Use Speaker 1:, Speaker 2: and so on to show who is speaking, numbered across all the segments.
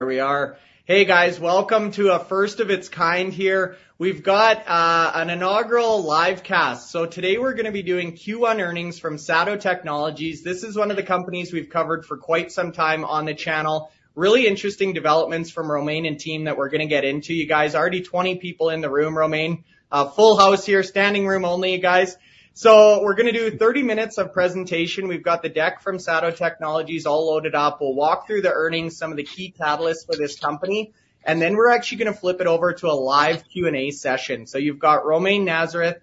Speaker 1: Here we are. Hey, guys, welcome to a first of its kind here. We've got an inaugural live cast. So today we're gonna be doing Q1 earnings from SATO Technologies. This is one of the companies we've covered for quite some time on the channel. Really interesting developments from Romain and team that we're gonna get into, you guys. Already 20 people in the room, Romain. Full house here, standing room only, you guys. So we're gonna do 30 minutes of presentation. We've got the deck from SATO Technologies all loaded up. We'll walk through the earnings, some of the key catalysts for this company, and then we're actually gonna flip it over to a live Q&A session. So you've got Romain Nouzareth,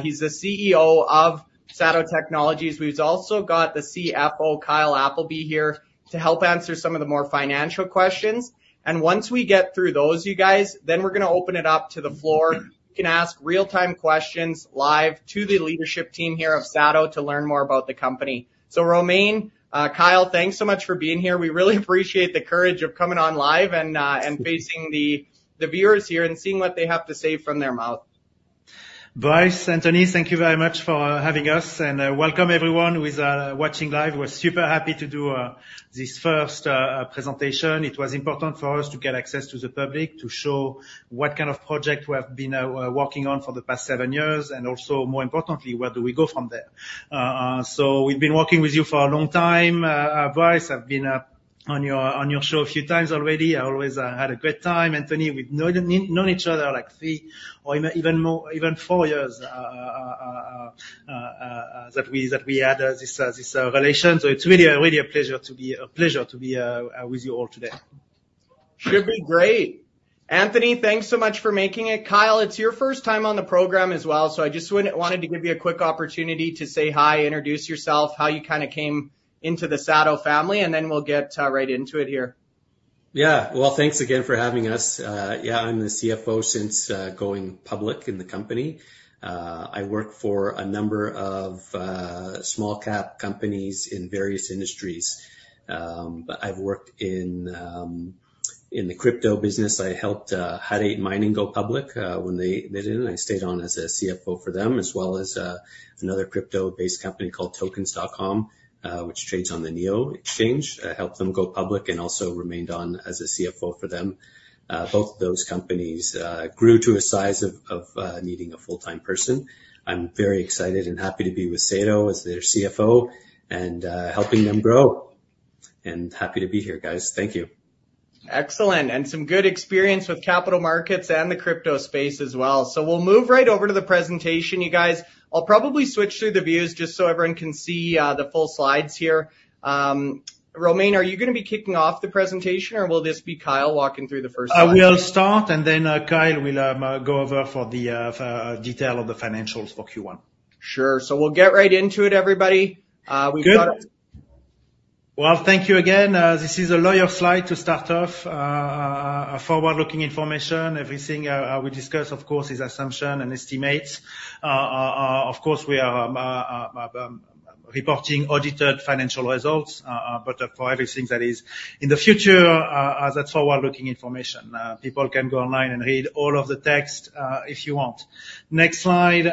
Speaker 1: he's the CEO of SATO Technologies. We've also got the CFO, Kyle Appleby, here to help answer some of the more financial questions. Once we get through those, you guys, then we're gonna open it up to the floor. You can ask real-time questions live to the leadership team here of SATO to learn more about the company. So, Romain, Kyle, thanks so much for being here. We really appreciate the courage of coming on live and facing the viewers here and seeing what they have to say from their mouth.
Speaker 2: Bryce, Anthony, thank you very much for having us, and welcome everyone who is watching live. We're super happy to do this first presentation. It was important for us to get access to the public to show what kind of project we have been working on for the past seven years, and also, more importantly, where do we go from there? So we've been working with you for a long time, Bryce. I've been on your show a few times already. I always had a great time. Anthony, we've known each other like three or even four years that we had this relation. So it's really a pleasure to be with you all today.
Speaker 1: Should be great. Anthony, thanks so much for making it. Kyle, it's your first time on the program as well, so I just wanted to give you a quick opportunity to say hi, introduce yourself, how you kinda came into the SATO family, and then we'll get right into it here.
Speaker 3: Yeah. Well, thanks again for having us. Yeah, I'm the CFO since going public in the company. I work for a number of small cap companies in various industries. But I've worked in the crypto business. I helped Hut 8 Mining go public. When they did, I stayed on as a CFO for them, as well as another crypto-based company called Tokens.com, which trades on the NEO Exchange. I helped them go public and also remained on as a CFO for them. Both of those companies grew to a size of needing a full-time person. I'm very excited and happy to be with SATO as their CFO and helping them grow. And happy to be here, guys. Thank you.
Speaker 1: Excellent, and some good experience with capital markets and the crypto space as well. So we'll move right over to the presentation, you guys. I'll probably switch through the views just so everyone can see, the full slides here. Romain, are you gonna be kicking off the presentation, or will this be Kyle walking through the first one?
Speaker 2: I will start, and then Kyle will go over for the detail of the financials for Q1.
Speaker 1: Sure. We'll get right into it, everybody. We've got-
Speaker 2: Good. Well, thank you again. This is a lawyer slide to start off. A forward-looking information. Everything we discuss, of course, is assumption and estimates. Of course, we are reporting audited financial results, but for everything that is in the future, that's forward-looking information. People can go online and read all of the text, if you want. Next slide,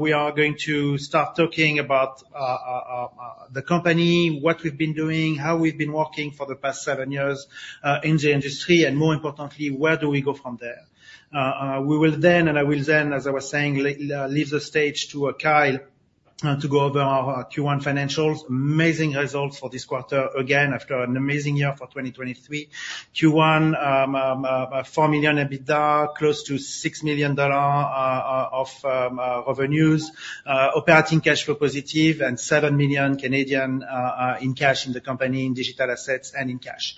Speaker 2: we are going to start talking about the company, what we've been doing, how we've been working for the past seven years in the industry, and more importantly, where do we go from there? We will then, and I will then, as I was saying, leave the stage to Kyle to go over our Q1 financials. Amazing results for this quarter, again, after an amazing year for 2023. Q1, $4 million EBITDA, close to $6 million of revenues, operating cash flow positive, and 7 million in cash in the company, in digital assets and in cash.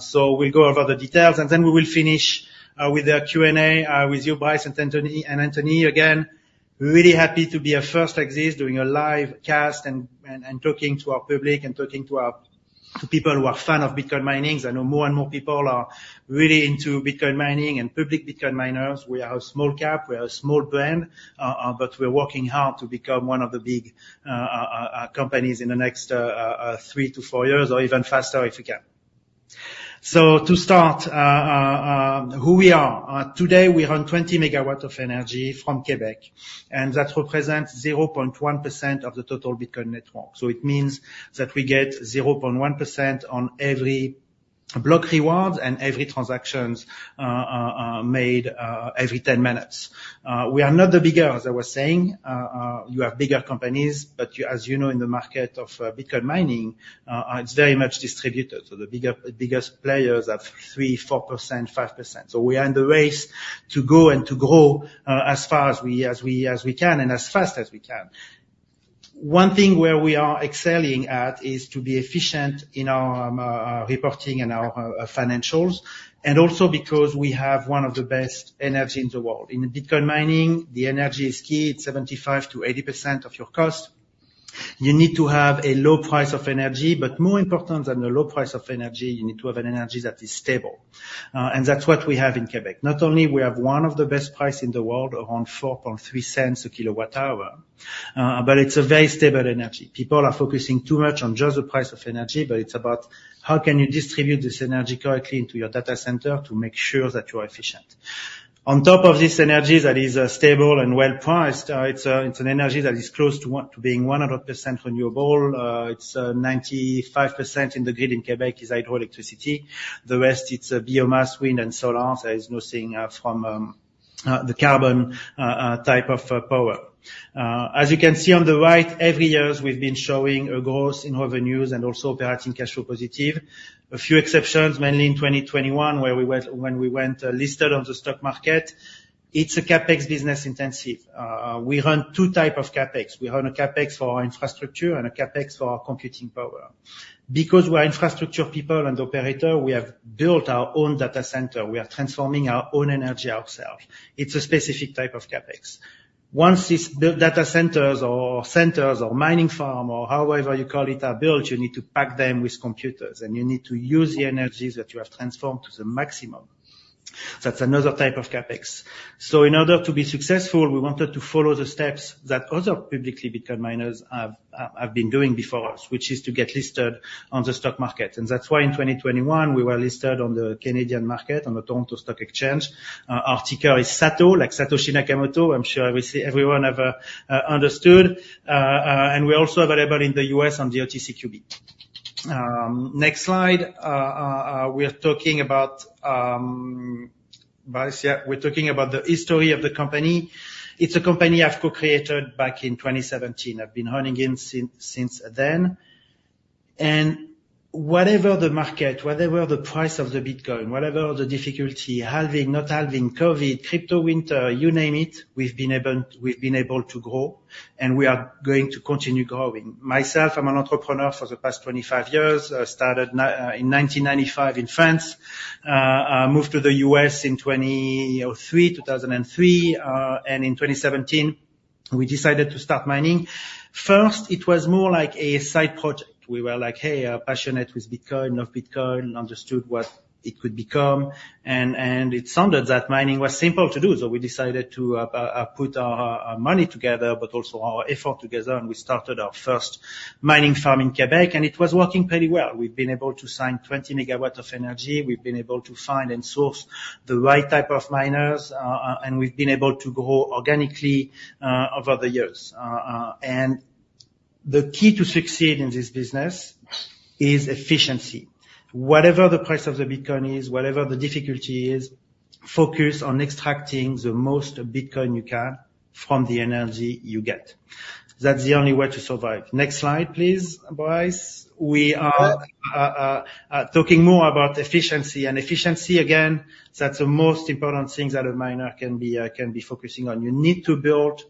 Speaker 2: So we'll go over the details, and then we will finish with the Q&A with you, Bryce and Anthony, and Anthony, again, really happy to be a first like this, doing a live cast and talking to our public and talking to our to people who are fan of Bitcoin mining. I know more and more people are really into Bitcoin mining and public Bitcoin miners. We are a small cap, we are a small brand, but we're working hard to become one of the big companies in the next three to four years or even faster, if we can. So to start, who we are. Today, we are on 20 MW of energy from Quebec, and that represents 0.1% of the total Bitcoin network. So it means that we get 0.1% on every block reward and every transactions made every 10 minutes. We are not the biggest, I was saying, you have bigger companies, but you, as you know, in the market of Bitcoin mining, it's very much distributed. So the biggest players have 3%, 4%, 5%. So we are in the race to go and to grow, as far as we can and as fast as we can. One thing where we are excelling at is to be efficient in our reporting and our financials, and also because we have one of the best energy in the world. In Bitcoin mining, the energy is key. It's 75%-80% of your cost. You need to have a low price of energy, but more important than the low price of energy, you need to have an energy that is stable, and that's what we have in Quebec. Not only we have one of the best price in the world, around 0.043/kWh, but it's a very stable energy. People are focusing too much on just the price of energy, but it's about how can you distribute this energy correctly into your data center to make sure that you are efficient. On top of this energy that is stable and well priced, it's an energy that is close to one to being 100% renewable. It's 95% in the grid in Quebec is hydroelectricity. The rest, it's biomass, wind, and solar. There is nothing from the carbon type of power. As you can see on the right, every years we've been showing a growth in revenues and also operating cash flow positive. A few exceptions, mainly in 2021, where we was when we went listed on the stock market. It's a CapEx business intensive. We run two type of CapEx. We run a CapEx for our infrastructure and a CapEx for our computing power. Because we are infrastructure people and operator, we have built our own data center. We are transforming our own energy ourselves. It's a specific type of CapEx. Once these data centers or centers or mining farm, or however you call it, are built, you need to pack them with computers, and you need to use the energies that you have transformed to the maximum. That's another type of CapEx. So in order to be successful, we wanted to follow the steps that other publicly Bitcoin miners have been doing before us, which is to get listed on the stock market. And that's why in 2021, we were listed on the Canadian market, on the Toronto Stock Exchange. Our ticker is SATO, like Satoshi Nakamoto. I'm sure we see everyone have understood. And we're also available in the U.S. on the OTCQB. Next slide. We are talking about Bryce, yeah, we're talking about the history of the company. It's a company I've co-created back in 2017. I've been running it since then. And whatever the market, whatever the price of the Bitcoin, whatever the difficulty, halving, not halving, COVID, crypto winter, you name it, we've been able to grow, and we are going to continue growing. Myself, I'm an entrepreneur for the past 25 years. Started in 1995 in France. I moved to the U.S. in 2003, 2003, and in 2017, we decided to start mining. First, it was more like a side project. We were like, "Hey, I'm passionate with Bitcoin, of Bitcoin," and understood what it could become. It sounded that mining was simple to do, so we decided to put our money together, but also our effort together, and we started our first mining farm in Quebec, and it was working pretty well. We've been able to sign 20 MW of energy. We've been able to find and source the right type of miners, and we've been able to grow organically over the years. The key to succeed in this business is efficiency. Whatever the price of the Bitcoin is, whatever the difficulty is, focus on extracting the most Bitcoin you can from the energy you get. That's the only way to survive. Next slide, please, Bryce. We are talking more about efficiency, and efficiency, again, that's the most important thing that a miner can be focusing on. You need to build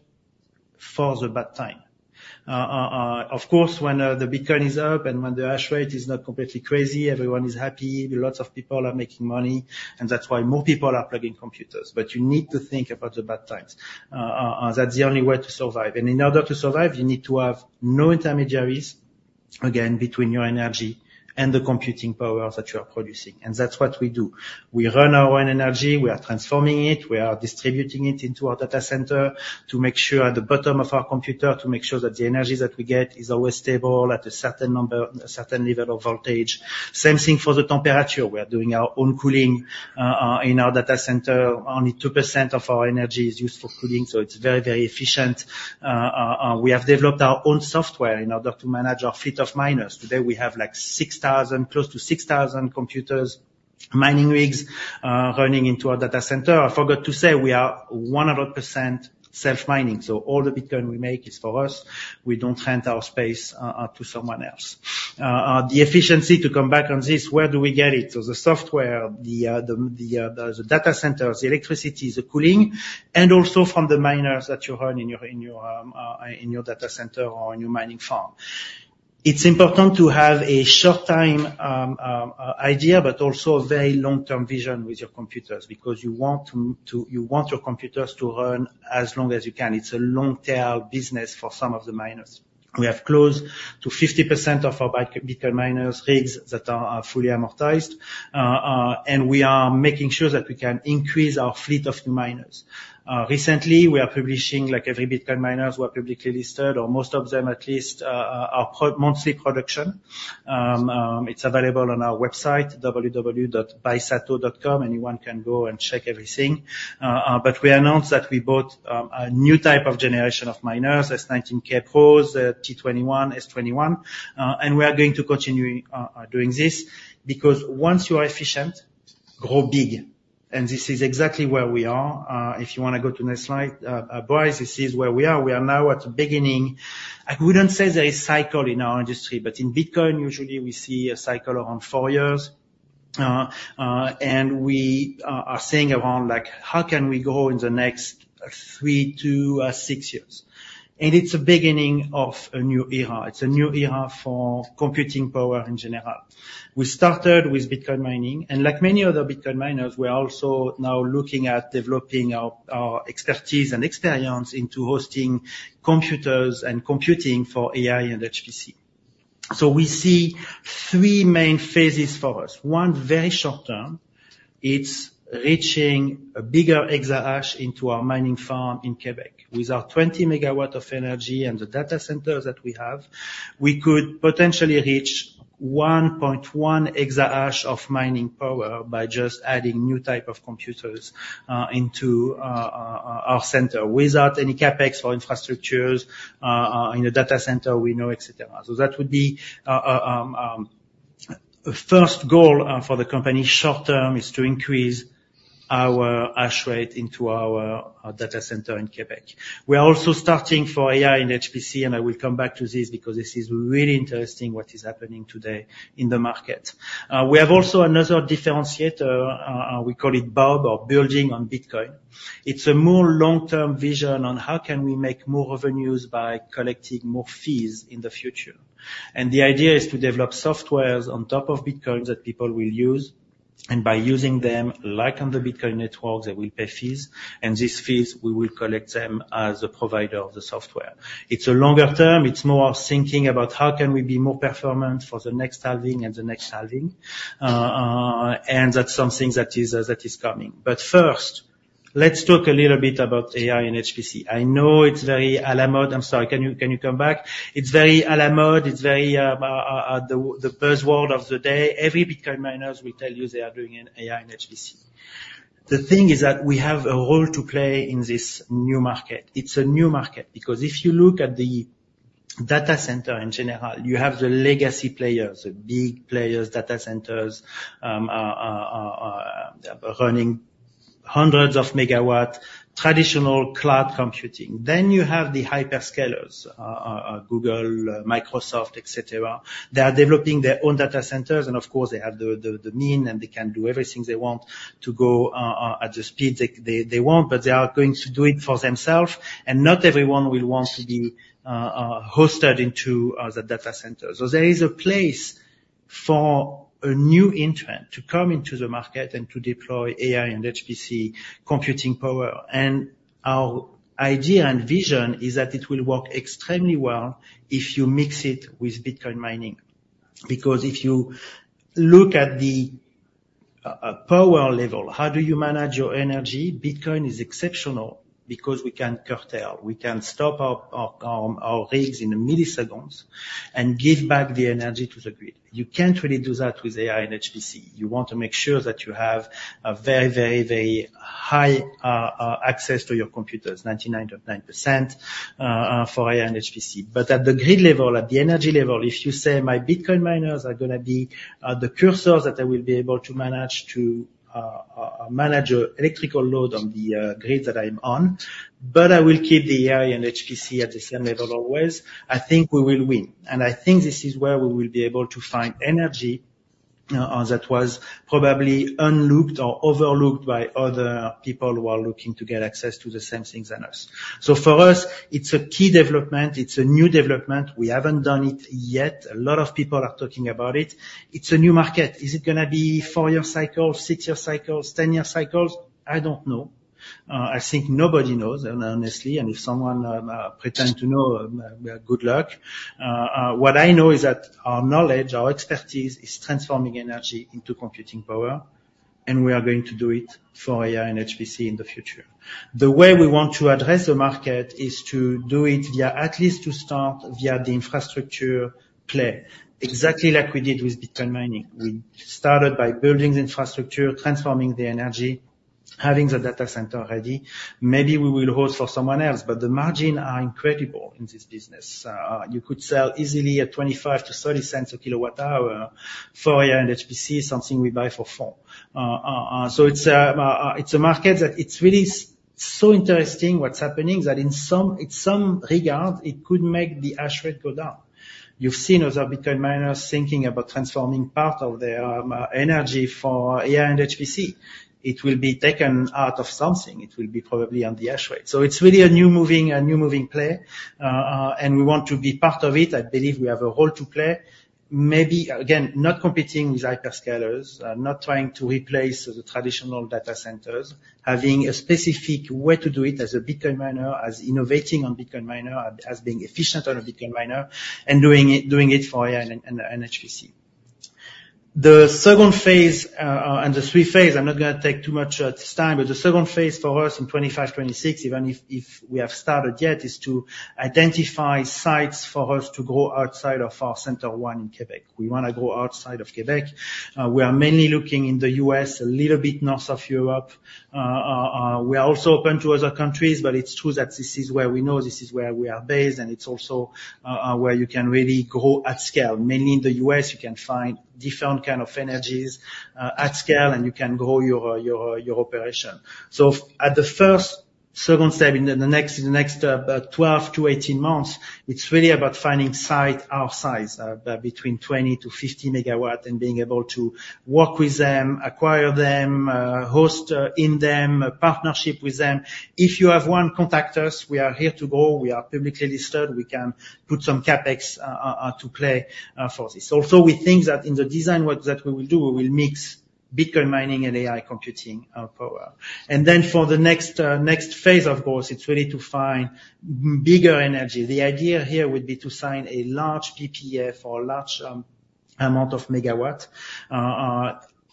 Speaker 2: for the bad time. Of course, when the Bitcoin is up and when the hash rate is not completely crazy, everyone is happy. Lots of people are making money, and that's why more people are plugging computers. But you need to think about the bad times. That's the only way to survive. And in order to survive, you need to have no intermediaries, again, between your energy and the computing power that you are producing. And that's what we do. We run our own energy, we are transforming it, we are distributing it into our data center to make sure at the bottom of our computer, to make sure that the energy that we get is always stable at a certain number a certain level of voltage. Same thing for the temperature. We are doing our own cooling in our data center. Only 2% of our energy is used for cooling, so it's very, very efficient. We have developed our own software in order to manage our fleet of miners. Today, we have, like, close to 6,000 computers, mining rigs running into our data center. I forgot to say, we are 100% self-mining, so all the Bitcoin we make is for us. We don't rent our space to someone else. The efficiency, to come back on this, where do we get it? So the software, the data centers, the electricity, the cooling, and also from the miners that you run in your data center or in your mining farm. It's important to have a short time idea, but also a very long-term vision with your computers, because you want your computers to run as long as you can. It's a long-tail business for some of the miners. We have close to 50% of our Bitcoin miners' rigs that are fully amortized, and we are making sure that we can increase our fleet of miners. Recently, we are publishing, like every Bitcoin miners who are publicly listed, or most of them at least, our monthly production. It's available on our website, www.buysato.com. Anyone can go and check everything. But we announced that we bought a new type of generation of miners, S19K Pros, T21, S21, and we are going to continue doing this, because once you are efficient, grow big. And this is exactly where we are. If you wanna go to next slide, Bryce, this is where we are. We are now at the beginning. We don't say there is cycle in our industry, but in Bitcoin, usually we see a cycle around four years. And we are seeing around, like, how can we grow in the next three to six years? It's a beginning of a new era. It's a new era for computing power in general. We started with Bitcoin mining, and like many other Bitcoin miners, we are also now looking at developing our, our expertise and experience into hosting computers and computing for AI and HPC. So we see three main phases for us. One, very short term, it's reaching a bigger exahash into our mining farm in Quebec. With our 20 megawatt of energy and the data center that we have, we could potentially reach 1.1 exahash of mining power by just adding new type of computers into our center without any CapEx or infrastructures in the data center we know, et cetera. That would be a first goal for the company short term, is to increase our hash rate into our data center in Quebec. We are also starting for AI and HPC, and I will come back to this because this is really interesting, what is happening today in the market. We have also another differentiator, we call it BOB, or Building On Bitcoin. It's a more long-term vision on how can we make more revenues by collecting more fees in the future. The idea is to develop softwares on top of Bitcoin that people will use, and by using them, like on the Bitcoin network, they will pay fees, and these fees, we will collect them as a provider of the software. It's a longer term. It's more of thinking about how can we be more performant for the next halving and the next halving? And that's something that is coming. But first, let's talk a little bit about AI and HPC. I know it's very a la mode. I'm sorry, can you come back? It's very a la mode. It's very the buzzword of the day. Every Bitcoin miners will tell you they are doing an AI and HPC. The thing is that we have a role to play in this new market. It's a new market, because if you look at the data center in general, you have the legacy players, the big players, data centers running hundreds of megawatt, traditional cloud computing. Then you have the hyperscalers, Google, Microsoft, et cetera. They are developing their own data centers, and of course, they have the means, and they can do everything they want to go at the speed they want, but they are going to do it for themselves, and not everyone will want to be hosted into the data center. So there is a place for a new entrant to come into the market and to deploy AI and HPC computing power. And our idea and vision is that it will work extremely well if you mix it with Bitcoin mining. Because if you look at the power level, how do you manage your energy? Bitcoin is exceptional because we can curtail. We can stop our rigs in milliseconds and give back the energy to the grid. You can't really do that with AI and HPC. You want to make sure that you have a very, very, very high access to your computers, 99.9%, for AI and HPC. But at the grid level, at the energy level, if you say, "My Bitcoin miners are gonna be the cursors that I will be able to manage to manage electrical load on the grid that I'm on, but I will keep the AI and HPC at the same level always," I think we will win. And I think this is where we will be able to find energy that was probably unlooked or overlooked by other people who are looking to get access to the same things as us. So for us, it's a key development. It's a new development. We haven't done it yet. A lot of people are talking about it. It's a new market. Is it gonna be four-year cycles, six-year cycles, 10-year cycles? I don't know. I think nobody knows, and honestly, and if someone pretend to know, good luck. What I know is that our knowledge, our expertise, is transforming energy into computing power, and we are going to do it for AI and HPC in the future. The way we want to address the market is to do it via, at least to start, via the infrastructure play, exactly like we did with Bitcoin mining. We started by building the infrastructure, transforming the energy, having the data center ready. Maybe we will host for someone else, but the margin are incredible in this business. You could sell easily at $0.25/kWh-$0.30/kWh for AI and HPC, something we buy for $0.04. So it's a market that it's really so interesting what's happening, that in some, in some regard, it could make the hash rate go down. You've seen other Bitcoin miners thinking about transforming part of their energy for AI and HPC. It will be taken out of something. It will be probably on the hash rate. So it's really a new moving, a new moving play, and we want to be part of it. I believe we have a role to play. Maybe, again, not competing with hyperscalers, not trying to replace the traditional data centers, having a specific way to do it as a Bitcoin miner, as innovating on Bitcoin miner, as being efficient on a Bitcoin miner, and doing it, doing it for AI and, and, and HPC. The second phase and the three phase, I'm not gonna take too much at this time, but the second phase for us in 2025, 2026, even if we have started yet, is to identify sites for us to go outside of our Center One in Quebec. We wanna go outside of Quebec. We are mainly looking in the U.S., a little bit north of Europe. We are also open to other countries, but it's true that this is where we know, this is where we are based, and it's also where you can really grow at scale. Mainly in the U.S., you can find different kind of energies at scale, and you can grow your operation. So first, second step in the next 12-18 months, it's really about finding sites our size 20 MW-50 MW, and being able to work with them, acquire them, host in them, a partnership with them. If you have one, contact us. We are here to go. We are publicly listed. We can put some CapEx to play for this. Also, we think that in the design work that we will do, we will mix Bitcoin mining and AI computing power. And then for the next phase, of course, it's really to find bigger energy. The idea here would be to sign a large PPA for a large amount of megawatts.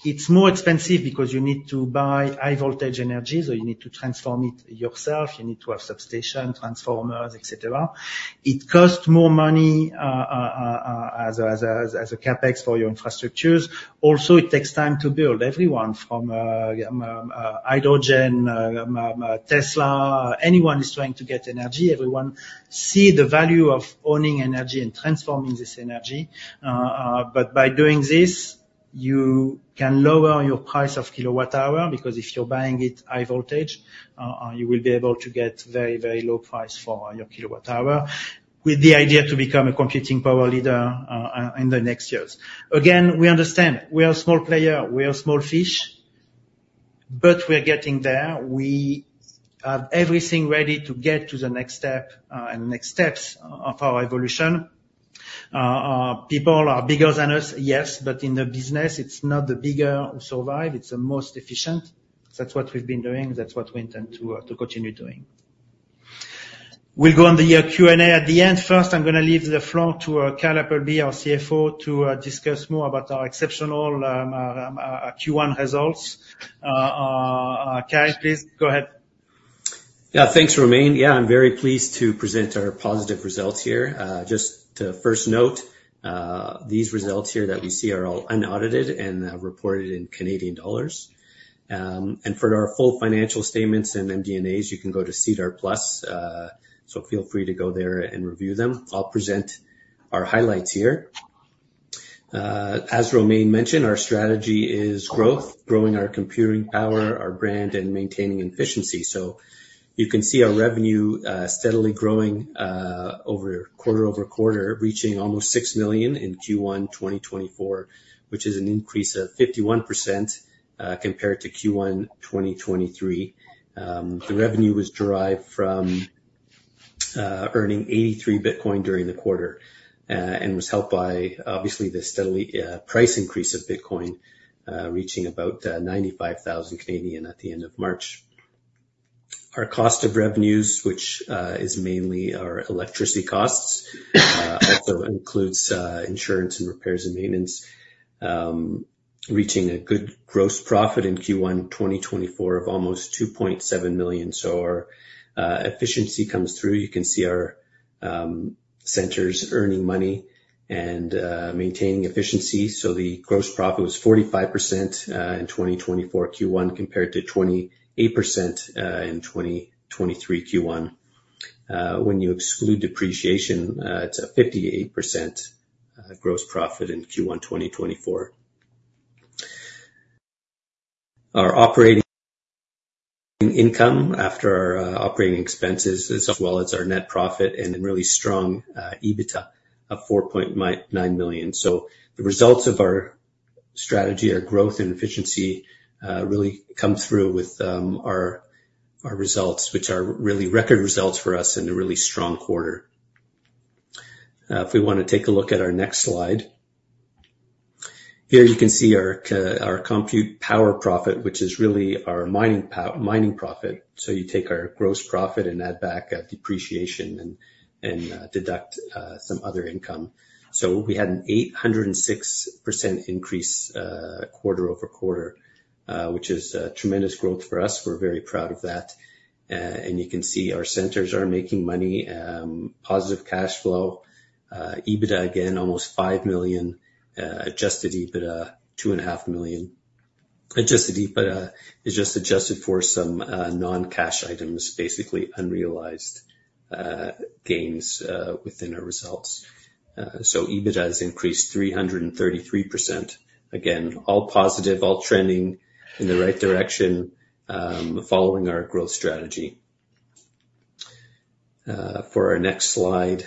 Speaker 2: It's more expensive because you need to buy high voltage energy, so you need to transform it yourself, you need to have substation, transformers, et cetera. It costs more money, as a CapEx for your infrastructures. Also, it takes time to build. Everyone, from Hydrogen, Tesla, anyone who's trying to get energy, everyone see the value of owning energy and transforming this energy. But by doing this, you can lower your price of kilowatt hour, because if you're buying it high voltage, you will be able to get very, very low price for your kilowatt hour, with the idea to become a computing power leader, in the next years. Again, we understand we are a small player, we are small fish, but we are getting there. We have everything ready to get to the next step, and the next steps of our evolution. People are bigger than us, yes, but in the business, it's not the bigger who survive, it's the most efficient. That's what we've been doing, that's what we intend to, to continue doing. We'll go on the Q&A at the end. First, I'm gonna leave the floor to Kyle Appleby, our CFO, to discuss more about our exceptional Q1 results. Kyle, please go ahead.
Speaker 3: Yeah, thanks, Romain. Yeah, I'm very pleased to present our positive results here. Just to first note, these results here that we see are all unaudited and reported in Canadian dollars. And for our full financial statements and MD&As, you can go to SEDAR+. So feel free to go there and review them. I'll present our highlights here. As Romain mentioned, our strategy is growth, growing our computing power, our brand, and maintaining efficiency. So you can see our revenue steadily growing over quarter-over-quarter, reaching almost 6 million in Q1 2024, which is an increase of 51% compared to Q1 2023. The revenue was derived from earning 83 Bitcoin during the quarter, and was helped by, obviously, the steadily price increase of Bitcoin, reaching about 95,000 at the end of March. Our cost of revenues, which is mainly our electricity costs, also includes insurance and repairs and maintenance, reaching a good gross profit in Q1 2024 of almost 2.7 million. So our efficiency comes through. You can see our centers earning money and maintaining efficiency. So the gross profit was 45% in 2024 Q1, compared to 28% in 2023 Q1. When you exclude depreciation, it's a 58% gross profit in Q1 2024. Our operating income after our operating expenses, as well as our net profit and a really strong EBITDA of 4.99 million. So the results of our strategy, our growth and efficiency really come through with our results, which are really record results for us and a really strong quarter. If we want to take a look at our next slide. Here you can see our compute power profit, which is really our mining profit. So you take our gross profit and add back depreciation and deduct some other income. So we had an 806% increase quarter-over-quarter, which is a tremendous growth for us. We're very proud of that. And you can see our centers are making money, positive cash flow, EBITDA, again, almost 5 million, adjusted EBITDA, 2.5 million. Adjusted EBITDA is just adjusted for some, non-cash items, basically unrealized, gains, within our results. So EBITDA has increased 333%. Again, all positive, all trending in the right direction, following our growth strategy. For our next slide.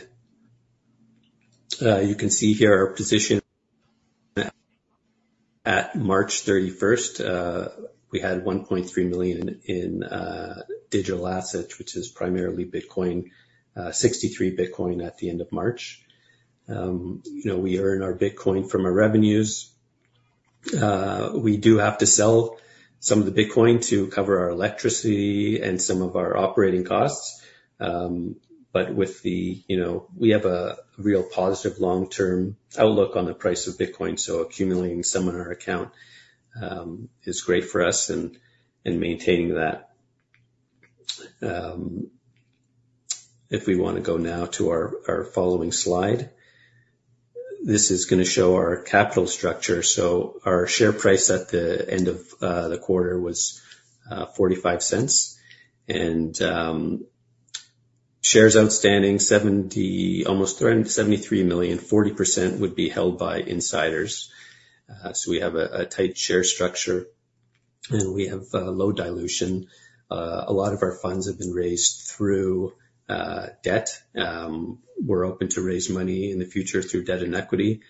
Speaker 3: You can see here our position at March 31st, we had 1.3 million in, digital assets, which is primarily Bitcoin, 63 Bitcoin at the end of March. You know, we earn our Bitcoin from our revenues. We do have to sell some of the Bitcoin to cover our electricity and some of our operating costs. But with the... You know, we have a real positive long-term outlook on the price of Bitcoin, so accumulating some in our account is great for us in maintaining that. If we wanna go now to our following slide, this is gonna show our capital structure. So our share price at the end of the quarter was CAD 0.45. Shares outstanding, almost 73 million, 40% would be held by insiders. So we have a tight share structure, and we have low dilution. A lot of our funds have been raised through debt. We're open to raise money in the future through debt and equity.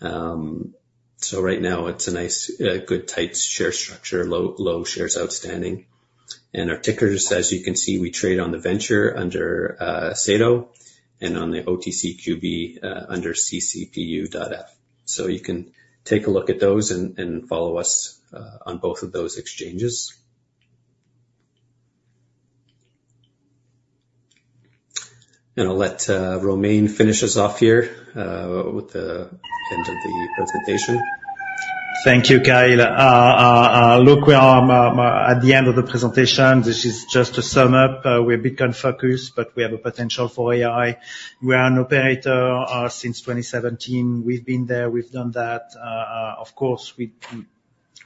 Speaker 3: So right now, it's a nice, good, tight structure, low shares outstanding. and our tickers, as you can see, we trade on the venture under SATO, and on the OTCQB under CCPU.F. So you can take a look at those and follow us on both of those exchanges. And I'll let Romain finish us off here with the end of the presentation.
Speaker 2: Thank you, Kyle. Look, we are at the end of the presentation. This is just to sum up. We're Bitcoin focused, but we have a potential for AI. We are an operator since 2017. We've been there, we've done that. Of course,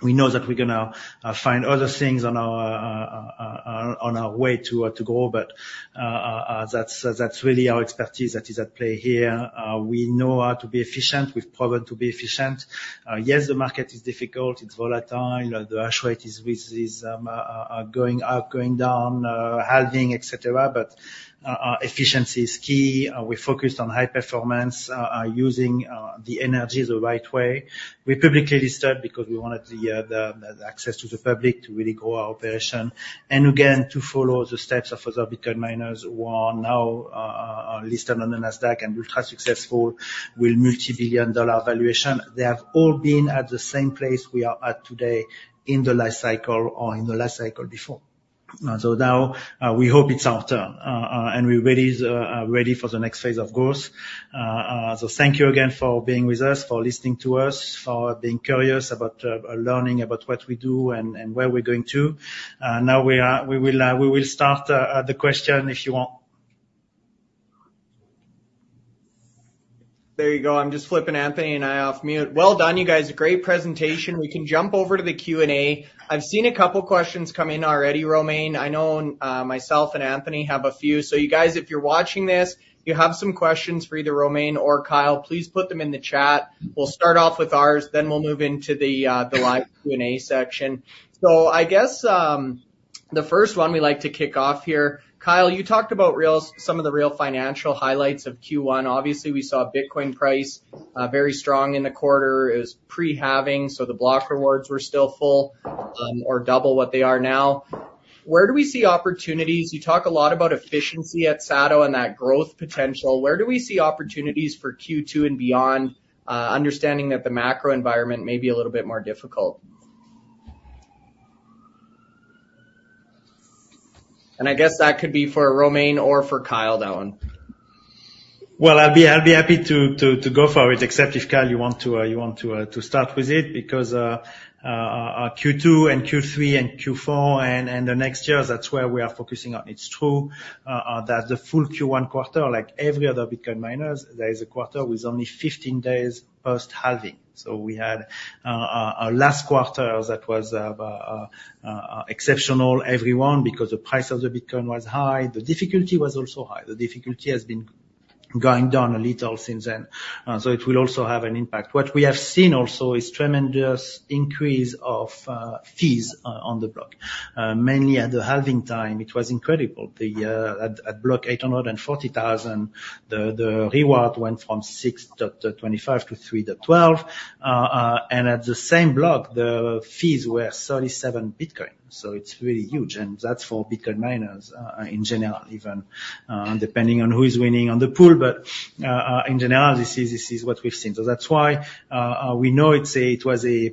Speaker 2: we know that we're gonna find other things on our way to grow, but that's really our expertise that is at play here. We know how to be efficient. We've proven to be efficient. Yes, the market is difficult, it's volatile, the hash rate is going up, going down, halving, et cetera, but efficiency is key. We're focused on high performance using the energy the right way. We publicly listed because we wanted the access to the public to really grow our operation, and again, to follow the steps of other Bitcoin miners who are now listed on the NASDAQ and very successful with multi-billion dollar valuation. They have all been at the same place we are at today in the life cycle or in the life cycle before. So now we hope it's our turn and we're ready ready for the next phase, of course. So thank you again for being with us, for listening to us, for being curious about learning about what we do and and where we're going to. Now we will we will start the question, if you want.
Speaker 1: There you go. I'm just flipping Anthony and I off mute. Well done, you guys. Great presentation. We can jump over to the Q&A. I've seen a couple questions come in already, Romain. I know myself and Anthony have a few. So you guys, if you're watching this, you have some questions for either Romain or Kyle, please put them in the chat. We'll start off with ours, then we'll move into the live Q&A section. So I guess the first one we like to kick off here, Kyle, you talked about some of the real financial highlights of Q1. Obviously, we saw Bitcoin price very strong in the quarter. It was pre-halving, so the block rewards were still full or double what they are now. Where do we see opportunities? You talk a lot about efficiency at Sato and that growth potential. Where do we see opportunities for Q2 and beyond, understanding that the macro environment may be a little bit more difficult? I guess that could be for Romain or for Kyle, that one.
Speaker 2: Well, I'll be happy to go for it, except if Kyle, you want to start with it, because Q2 and Q3 and Q4 and the next year, that's where we are focusing on. It's true that the full Q1 quarter, like every other Bitcoin miners, there is a quarter with only 15 days post-halving. So we had a last quarter that was exceptional, everyone, because the price of the Bitcoin was high. The difficulty was also high. The difficulty has been going down a little since then, so it will also have an impact. What we have seen also is tremendous increase of fees on the block, mainly at the halving time, it was incredible. At block 840,000, the reward went from six to 25 to three to 12. And at the same block, the fees were 37 Bitcoin, so it's really huge, and that's for Bitcoin miners in general, even depending on who is winning on the pool. But in general, this is what we've seen. So that's why we know it was the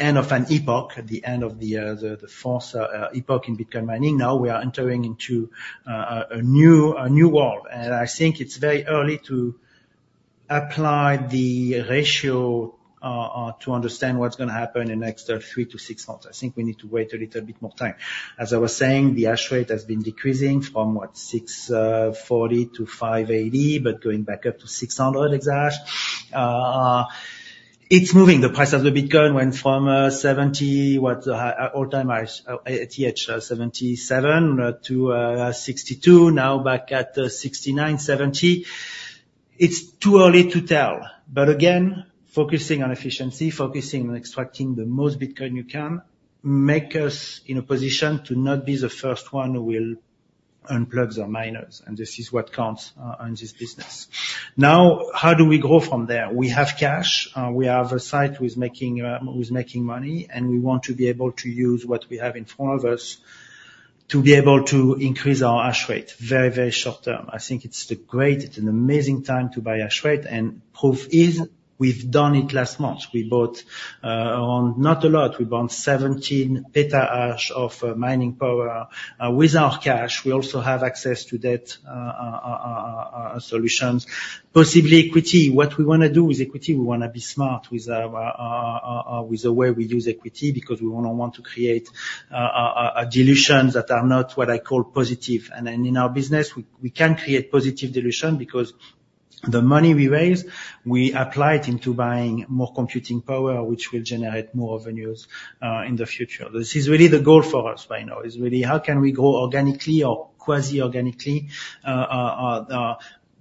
Speaker 2: end of an epoch, the end of the fourth epoch in Bitcoin mining. Now we are entering into a new world, and I think it's very early to apply the ratio to understand what's gonna happen in the next three to six months. I think we need to wait a little bit more time. As I was saying, the hash rate has been decreasing from 640-580, but going back up to 600 exahash. It's moving. The price of the Bitcoin went from $70,000, what, all-time high, ATH, $77,000-$62,000, now back at $69,000, $70,000. It's too early to tell, but again, focusing on efficiency, focusing on extracting the most Bitcoin you can, make us in a position to not be the first one who will unplug the miners, and this is what counts in this business. Now, how do we go from there? We have cash, we have a site who is making, who is making money, and we want to be able to use what we have in front of us to be able to increase our hash rate very, very short term. I think it's an amazing time to buy hash rate, and proof is, we've done it last month. We bought, not a lot, we bought 17 peta hash of mining power, with our cash. We also have access to debt solutions, possibly equity. What we wanna do with equity, we wanna be smart with, with the way we use equity, because we wouldn't want to create, a dilution that are not what I call positive. And then in our business, we can create positive dilution because the money we raise, we apply it into buying more computing power, which will generate more revenues, in the future. This is really the goal for us by now, is really how can we grow organically or quasi-organically?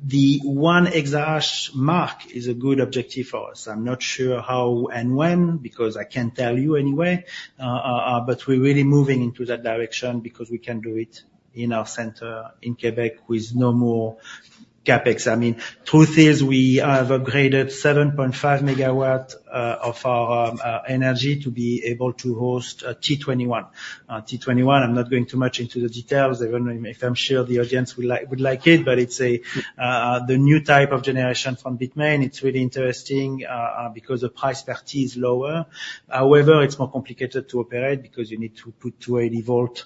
Speaker 2: The 1 exahash mark is a good objective for us. I'm not sure how and when, because I can't tell you anyway, but we're really moving into that direction because we can do it in our center in Quebec with no more CapEx. I mean, truth is we have upgraded 7.5 MW of our energy to be able to host T21. T21, I'm not going too much into the details, even if I'm sure the audience would like it, but it's the new type of generation from Bitmain. It's really interesting, because the price per T is lower. However, it's more complicated to operate, because you need to put 240-volt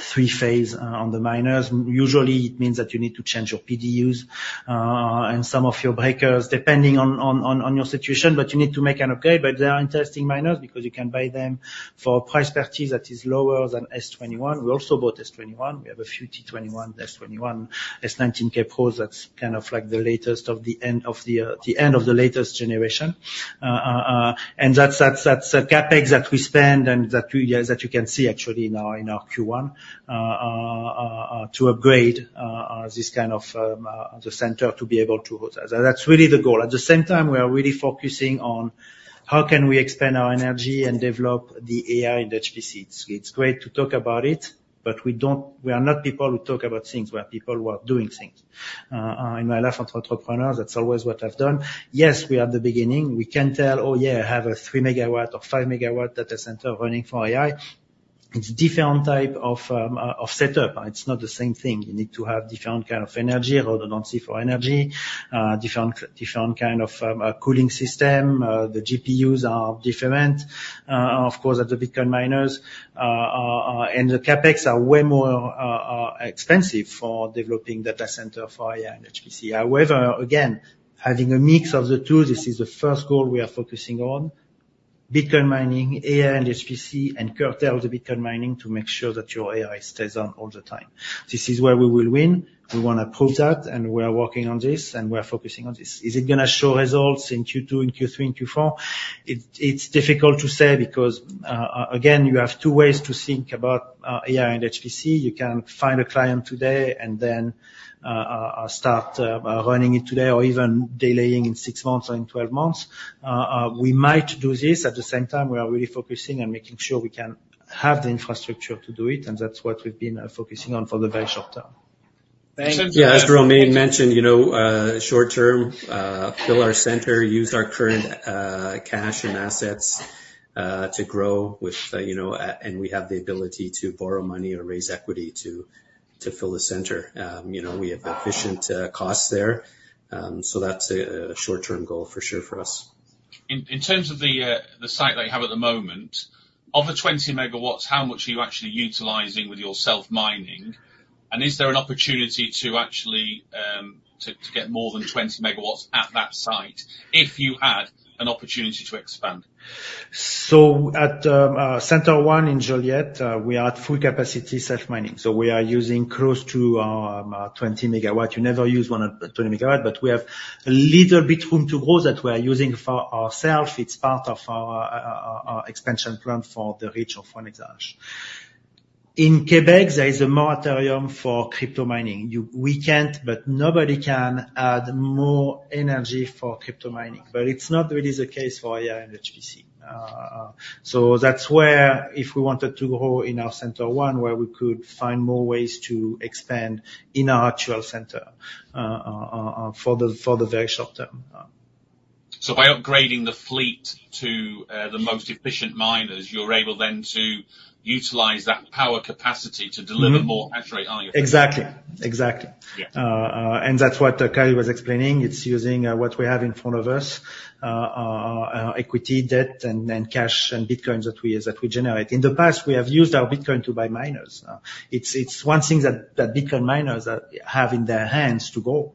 Speaker 2: three-phase on the miners. Usually, it means that you need to change your PDUs and some of your breakers, depending on your situation, but you need to make an okay. But they are interesting miners, because you can buy them for price per T that is lower than S21. We also bought S21. We have a few T21, S21, S19 Cape Hose. That's kind of like the latest of the end of the latest generation. And that's a CapEx that we spent, and that two years that you can see actually now in our Q1 to upgrade this kind of the center to be able to host that. And that's really the goal. At the same time, we are really focusing on how we can expand our energy and develop the AI and HPC. It's great to talk about it, but we don't, we are not people who talk about things, we are people who are doing things. In my life as an entrepreneur, that's always what I've done. Yes, we are at the beginning. We can tell, "Oh, yeah, I have a 3 MW or 5 MW data center running for AI." It's different type of setup. It's not the same thing. You need to have different kind of energy, redundancy for energy, different kind of cooling system. The GPUs are different, of course, than the Bitcoin miners, and the CapEx are way more expensive for developing data center for AI and HPC. However, again, having a mix of the two, this is the first goal we are focusing on: Bitcoin mining, AI and HPC, and curtail the Bitcoin mining to make sure that your AI stays on all the time. This is where we will win. We wanna prove that, and we are working on this, and we are focusing on this. Is it gonna show results in Q2, in Q3, and Q4? It's difficult to say because, again, you have two ways to think about AI and HPC. You can find a client today and then start running it today, or even delaying in six months or in 12 months. We might do this. At the same time, we are really focusing on making sure we can have the infrastructure to do it, and that's what we've been focusing on for the very short term. Thank you.
Speaker 3: Yeah, as Romain mentioned, you know, short-term, fill our center, use our current cash and assets to grow, which, you know, and we have the ability to borrow money or raise equity to fill the center. You know, we have efficient costs there, so that's a short-term goal for sure, for us.
Speaker 4: In terms of the site that you have at the moment, of the 20 MW, how much are you actually utilizing with your self-mining? And is there an opportunity to actually to get more than 20 MW at thatsite if you had an opportunity to expand?
Speaker 2: So at Center One in Joliette, we are at full capacity self-mining, so we are using close to 20 MW. You never use one of 20 MW, but we have a little bit room to grow that we are using for ourself. It's part of our our expansion plan for the Régie de l'énergie. In Quebec, there is a moratorium for crypto mining. We can't, but nobody can add more energy for crypto mining. But it's not really the case for AI and HPC. So that's where, if we wanted to go in our Center One, where we could find more ways to expand in our actual center, for the very short term.
Speaker 4: So by upgrading the fleet to the most efficient miners, you're able then to utilize that power capacity to deliver more hash rate, are you?
Speaker 2: Exactly, exactly. Yeah. And that's what Kyle was explaining. It's using what we have in front of us, equity, debt, and then cash and bitcoins that we generate. In the past, we have used our Bitcoin to buy miners. It's one thing that Bitcoin miners have in their hands to grow,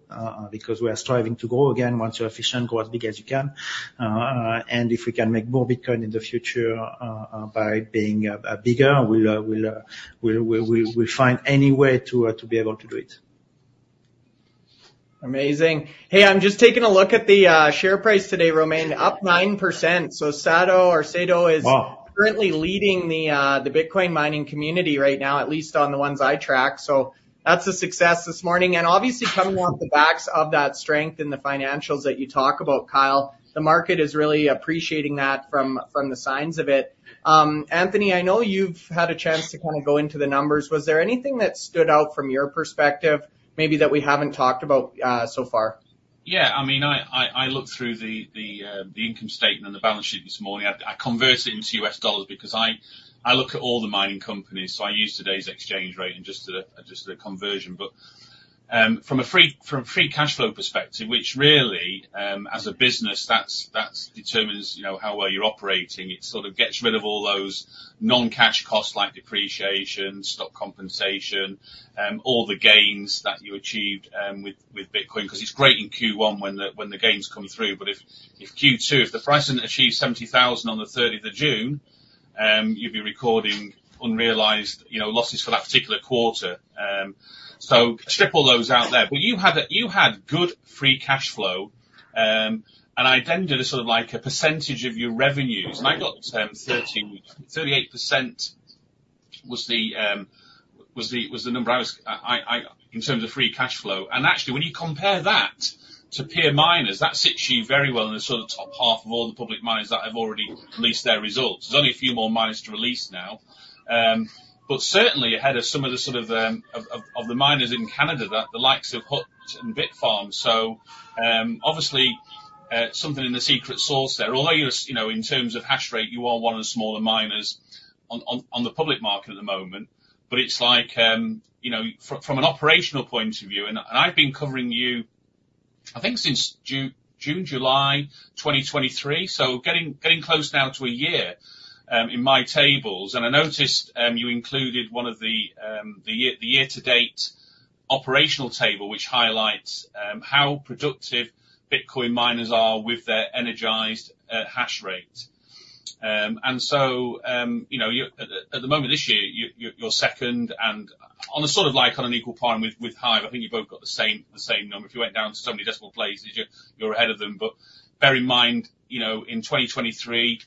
Speaker 2: because we are striving to grow again. Once you're efficient, grow as big as you can. and if we can make more Bitcoin in the future, by being bigger, we'll find any way to be able to do it.
Speaker 1: Amazing. Hey, I'm just taking a look at the share price today, Romain, up 9%. So SATO or SATO is. Wow... currently leading the Bitcoin mining community right now, at least on the ones I track. So that's a success this morning. And obviously, coming off the backs of that strength in the financials that you talk about, Kyle, the market is really appreciating that from the signs of it. Anthony, I know you've had a chance to kind of go into the numbers. Was there anything that stood out from your perspective, maybe that we haven't talked about so far?
Speaker 4: Yeah. I mean, I looked through the income statement and the balance sheet this morning. I converted it into U.S. dollars because I look at all the mining companies, so I used today's exchange rate and just as a conversion. But from a free cash flow perspective, which really, as a business, that determines, you know, how well you're operating. It sort of gets rid of all those non-cash costs, like depreciation, stock compensation, all the gains that you achieved with Bitcoin, 'cause it's great in Q1 when the gains come through. But if Q2, if the price hadn't achieved $70,000 on the thirtieth of June, you'd be recording unrealized, you know, losses for that particular quarter. So strip all those out there. But you had good free cash flow, and I then did, sort of like, a percentage of your revenues, and I got 13.38% was the number I was in terms of free cash flow. And actually, when you compare that to peer miners, that sits you very well in the sort of top half of all the public miners that have already released their results. There's only a few more miners to release now. But certainly, ahead of some of the sort of of the miners in Canada, the likes of Hut and Bitfarms. So, obviously, something in the secret sauce there. Although you're, you know, in terms of hash rate, you are one of the smaller miners on the public market at the moment. But it's like, you know, from an operational point of view, and I've been covering you, I think since June, July 2023, so getting close now to a year in my tables. And I noticed you included one of the year-to-date operational table, which highlights how productive Bitcoin miners are with their energized hash rate. So, you know, at the moment, this year, you're second, and on the sort of like on an equal par with Hive. I think you've both got the same number. If you went down to so many decimal places, you're ahead of them, but bear in mind, you know, in 2023,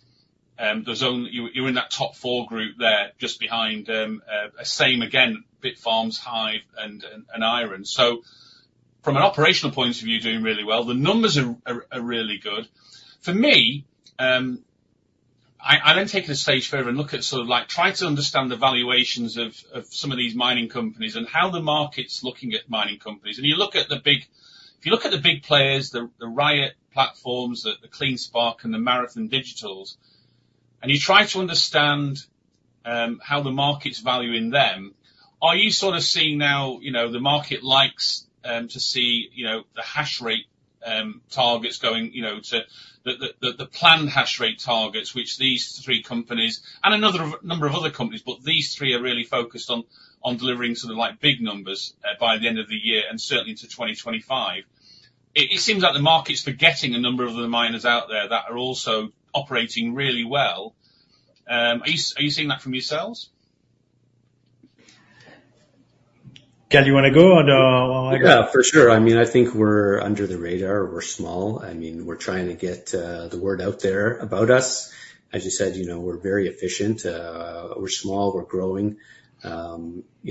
Speaker 4: there's only You're in that top four group there, just behind the same again, Bitfarms, Hive, and Iren. So from an operational point of view, you're doing really well. The numbers are really good. For me, I then take it a stage further and look at sort of like try to understand the valuations of some of these mining companies, and how the market's looking at mining companies. And you look at the big players, the Riot Platforms, the CleanSpark and the Marathon Digital, and you try to understand how the market's valuing them. Are you sort of seeing now, you know, the market likes to see, you know, the hash rate targets going to the planned hash rate targets, which these three companies and another number of other companies, but these three are really focused on delivering sort of like big numbers by the end of the year, and certainly into 2025. It seems like the market's for getting a number of the miners out there that are also operating really well. Are you seeing that from yourselves?
Speaker 2: Kyle, you want to go, or
Speaker 3: Yeah, for sure. I mean, I think we're under the radar. We're small. I mean, we're trying to get the word out there about us. As you said, you know, we're very efficient. We're small. We're growing. You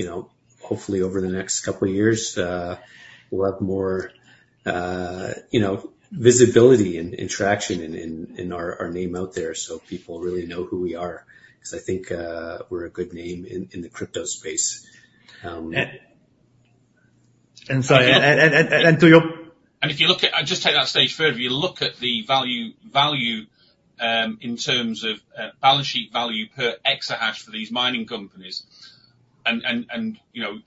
Speaker 3: know, hopefully, over the next couple of years, we'll have more, you know, visibility and traction and our name out there, so people really know who we are, because I think we're a good name in the crypto space.
Speaker 2: And sorry, and to your-
Speaker 4: If you look at, I'll just take that a stage further. If you look at the value in terms of balance sheet value per exahash for these mining companies, and you know,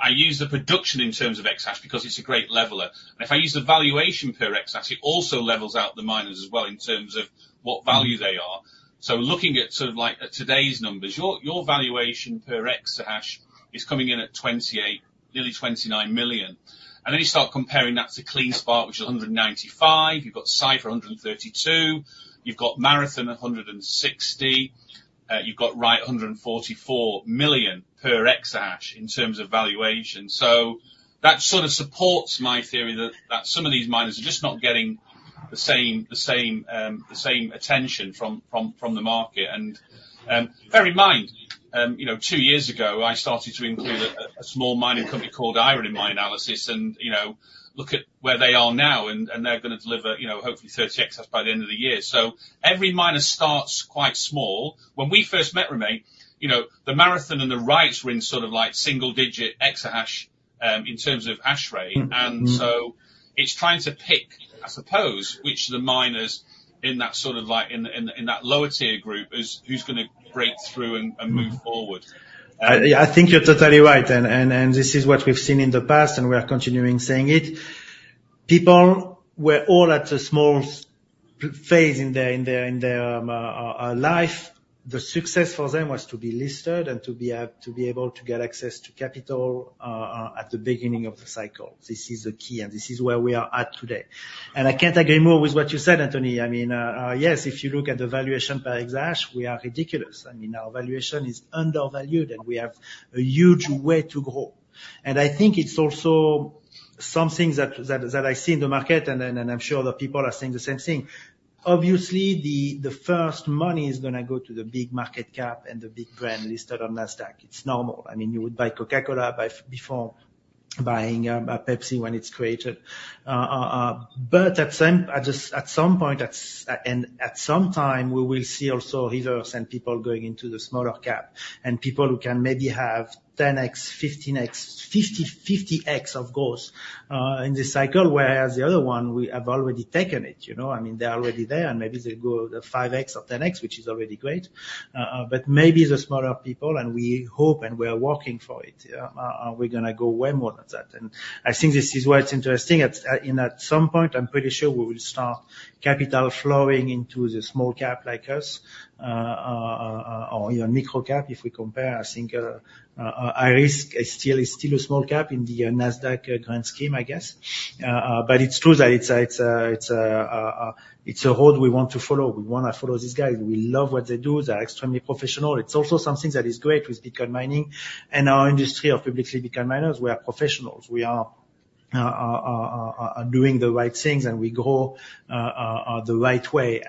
Speaker 4: I use the production in terms of exahash, because it's a great leveler. And if I use the valuation per exahash, it also levels out the miners as well, in terms of what value they are. So looking at sort of like at today's numbers, your valuation per exahash is coming in at $28 million, nearly $29 million. And then you start comparing that to CleanSpark, which is $195 million. You've got Cipher, $132 million. You've got Marathon at $160 million. You've got Riot, $144 million per exahash in terms of valuation. So that sort of supports my theory that some of these miners are just not getting the same attention from the market. And, bear in mind, you know, two years ago, I started to include a small mining company called Iren in my analysis, and, you know, look at where they are now, and they're gonna deliver, you know, hopefully 30 exahash by the end of the year. So every miner starts quite small. When we first met, Romain, you know, the Marathon and the Riot were in sort of like single-digit exahash in terms of hash rate. So it's trying to pick, I suppose, which of the miners in that sort of like lower tier group, who's gonna break through and move forward.
Speaker 2: Yeah, I think you're totally right, and this is what we've seen in the past, and we are continuing seeing it. People were all at a small-cap phase in their life. The success for them was to be listed and to be able to get access to capital at the beginning of the cycle. This is the key, and this is where we are at today. I can't agree more with what you said, Anthony. I mean, yes, if you look at the valuation per exahash, we are ridiculous. I mean, our valuation is undervalued, and we have a huge way to grow. I think it's also something that I see in the market, and I'm sure other people are saying the same thing. Obviously, the first money is gonna go to the big market cap and the big brand listed on Nasdaq. It's normal. I mean, you would buy Coca-Cola before buying Pepsi, when it's created. But at some point, and at some time, we will see also hitters and people going into the smaller cap, and people who can maybe have 10x, 15x, 50x, of course, in this cycle, whereas the other one, we have already taken it, you know? I mean, they're already there, and maybe they go the 5x or 10x, which is already great. But maybe the smaller people, and we hope, and we are working for it, are we gonna go way more than that. And I think this is why it's interesting, and at some point, I'm pretty sure we will start capital flowing into the small cap like us, or, you know, micro cap, if we compare. I think, Hut 8 is still a small cap in the Nasdaq grand scheme, I guess. But it's true that it's a road we want to follow. We want to follow these guys. We love what they do. They're extremely professional. It's also something that is great with Bitcoin mining and our industry of publicly Bitcoin miners. We are professionals. We are doing the right things, and we grow the right way.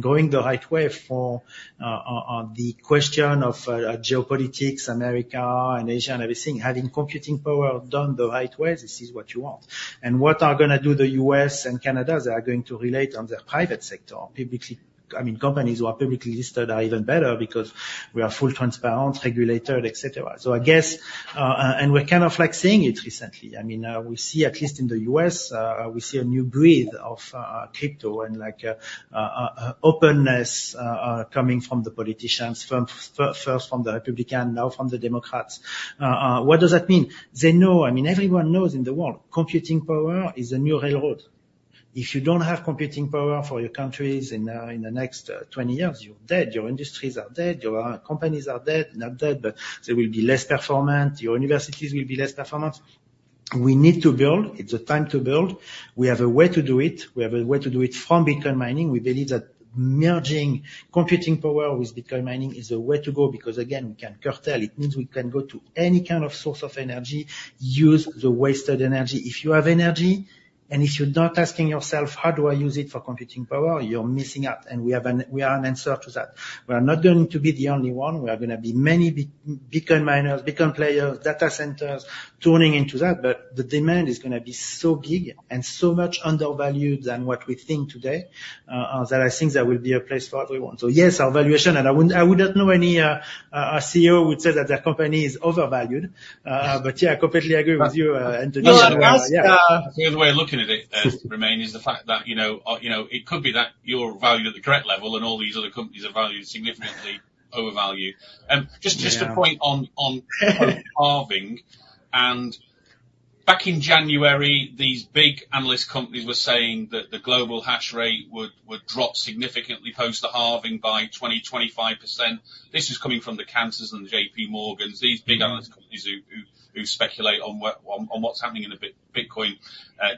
Speaker 2: Going the right way for, on, on the question of, geopolitics, America and Asia and everything, having computing power done the right way, this is what you want. And what are gonna do the U.S. and Canada? They are going to rely on their private sector, publicly, I mean, companies who are publicly listed are even better, because we are fully transparent, regulated, et cetera. So I guess, and we're kind of like seeing it recently. I mean, we see, at least in the U.S., we see a new breed of, crypto, and, like, a openness, coming from the politicians, from first from the Republicans, now from the Democrats. What does that mean? They know. I mean, everyone knows in the world, computing power is the new railroad. If you don't have computing power for your countries in the next 20 years, you're dead. Your industries are dead, your companies are dead. Not dead, but they will be less performant. Your universities will be less performant. We need to build. It's a time to build. We have a way to do it. We have a way to do it from Bitcoin mining. We believe that merging computing power with Bitcoin mining is the way to go, because again, we can curtail. It means we can go to any kind of source of energy, use the wasted energy. If you have energy, and if you're not asking yourself: how do I use it for computing power? You're missing out, and we are an answer to that. We are not going to be the only one. We are gonna be many Bitcoin miners, Bitcoin players, data centers, tuning into that, but the demand is gonna be so big and so much undervalued than what we think today, that I think there will be a place for everyone. So yes, our valuation, and I would not know any CEO who would say that their company is overvalued. But yeah, I completely agree with you, Anthony.
Speaker 1: No, that's,
Speaker 4: The other way of looking at it, Romain, is the fact that, you know, you know, it could be that you're valued at the correct level, and all these other companies are valued significantly overvalued. Just, just a point-
Speaker 2: Yeah.
Speaker 4: On halving and back in January, these big analyst companies were saying that the global hash rate would drop significantly post the halving by 25%. This is coming from the Cantors and the JPMorgans, these big analyst companies who speculate on what's happening in the Bitcoin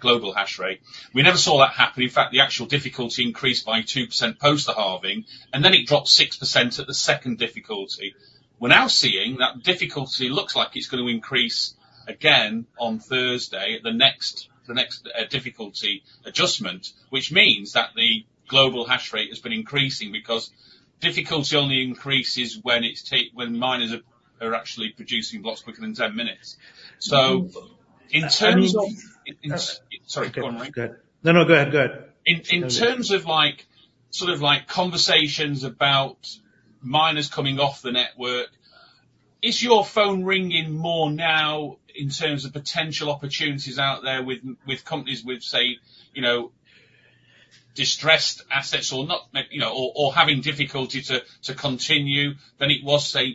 Speaker 4: global hash rate. We never saw that happen. In fact, the actual difficulty increased by 2% post the halving, and then it dropped 6% at the second difficulty. We're now seeing that difficulty looks like it's going to increase again on Thursday, at the next difficulty adjustment. Which means that the global hash rate has been increasing, because difficulty only increases when miners are actually producing blocks quicker than 10 minutes. So in terms of-
Speaker 2: I mean
Speaker 4: Sorry, go on, mate.
Speaker 2: Go ahead. No, no, go ahead. Go ahead.
Speaker 4: In terms of like, sort of like conversations about miners coming off the network, is your phone ringing more now in terms of potential opportunities out there with companies with say, you know, distressed assets or not, you know, or having difficulty to continue than it was, say,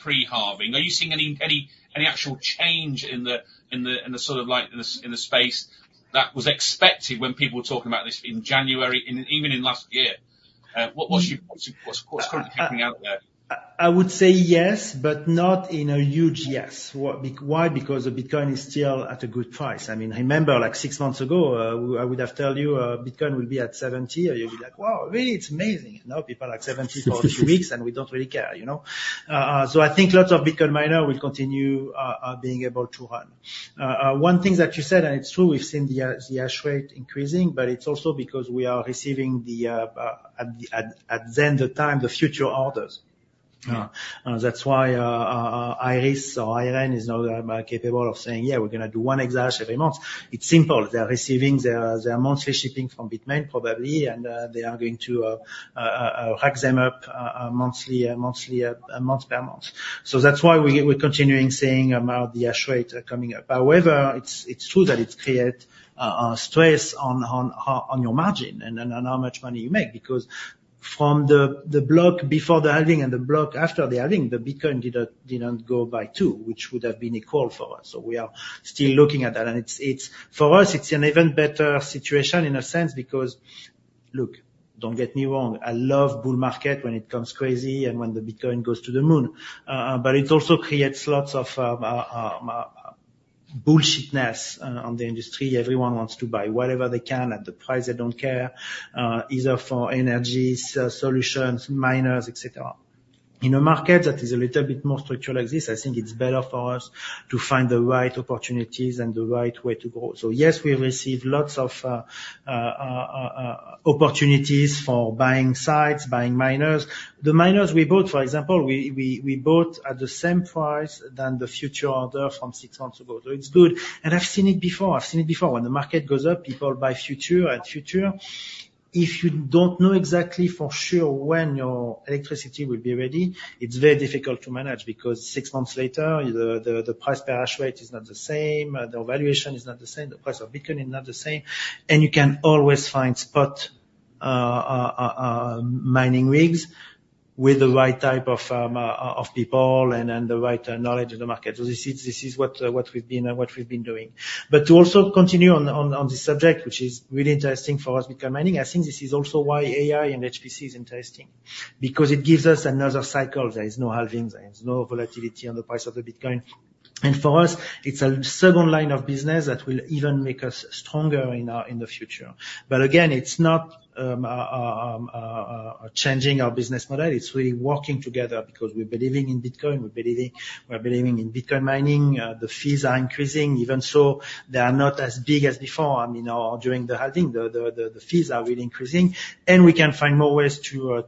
Speaker 4: pre-halving? Are you seeing any actual change in the sort of like, in the space that was expected when people were talking about this in January and even in last year? What's your, what's currently happening out there?
Speaker 2: I would say yes, but not in a huge yes. Why? Because the Bitcoin is still at a good price. I mean, I remember, like, six months ago, I would have told you, Bitcoin will be at $70, and you'd be like: "Wow! Really? It's amazing." You know, people are at $70 for a few weeks and we don't really care, you know? So I think lots of Bitcoin miner will continue being able to run. One thing that you said, and it's true, we've seen the hash rate increasing, but it's also because we are receiving the future orders at the time. Yeah. That's why Iris or Irene is now capable of saying, "Yeah, we're gonna do one exahash every month." It's simple. They are receiving their monthly shipping from Bitmain, probably, and they are going to rack them up monthly, monthly, month per month. So that's why we're continuing seeing about the hash rate coming up. However, it's true that it create stress on your margin and on how much money you make. Because from the block before the halving and the block after the halving, the Bitcoin did not go by two, which would have been equal for us, so we are still looking at that. And it's. For us, it's an even better situation in a sense, because, look, don't get me wrong, I love bull market when it comes crazy and when the Bitcoin goes to the moon. But it also creates lots of bullshit-ness on the industry. Everyone wants to buy whatever they can at the price. They don't care either for energies solutions, miners, et cetera. In a market that is a little bit more structured like this, I think it's better for us to find the right opportunities and the right way to go. So yes, we have received lots of opportunities for buying sites, buying miners. The miners we bought, for example, we bought at the same price than the future order from six months ago. So it's good, and I've seen it before. I've seen it before. When the market goes up, people buy future at future. If you don't know exactly for sure when your electricity will be ready, it's very difficult to manage, because six months later, the price per hash rate is not the same, the valuation is not the same, the price of Bitcoin is not the same. You can always find spot mining rigs, with the right type of people and the right knowledge of the market. So this is what we've been doing. But to also continue on this subject, which is really interesting for us, Bitcoin mining, I think this is also why AI and HPC is interesting, because it gives us another cycle. There is no halving, there is no volatility on the price of the Bitcoin. And for us, it's a second line of business that will even make us stronger in the future. But again, it's not changing our business model. It's really working together because we're believing in Bitcoin, we're believing in Bitcoin mining. The fees are increasing. Even so, they are not as big as before. I mean, during the halving, the fees are really increasing, and we can find more ways to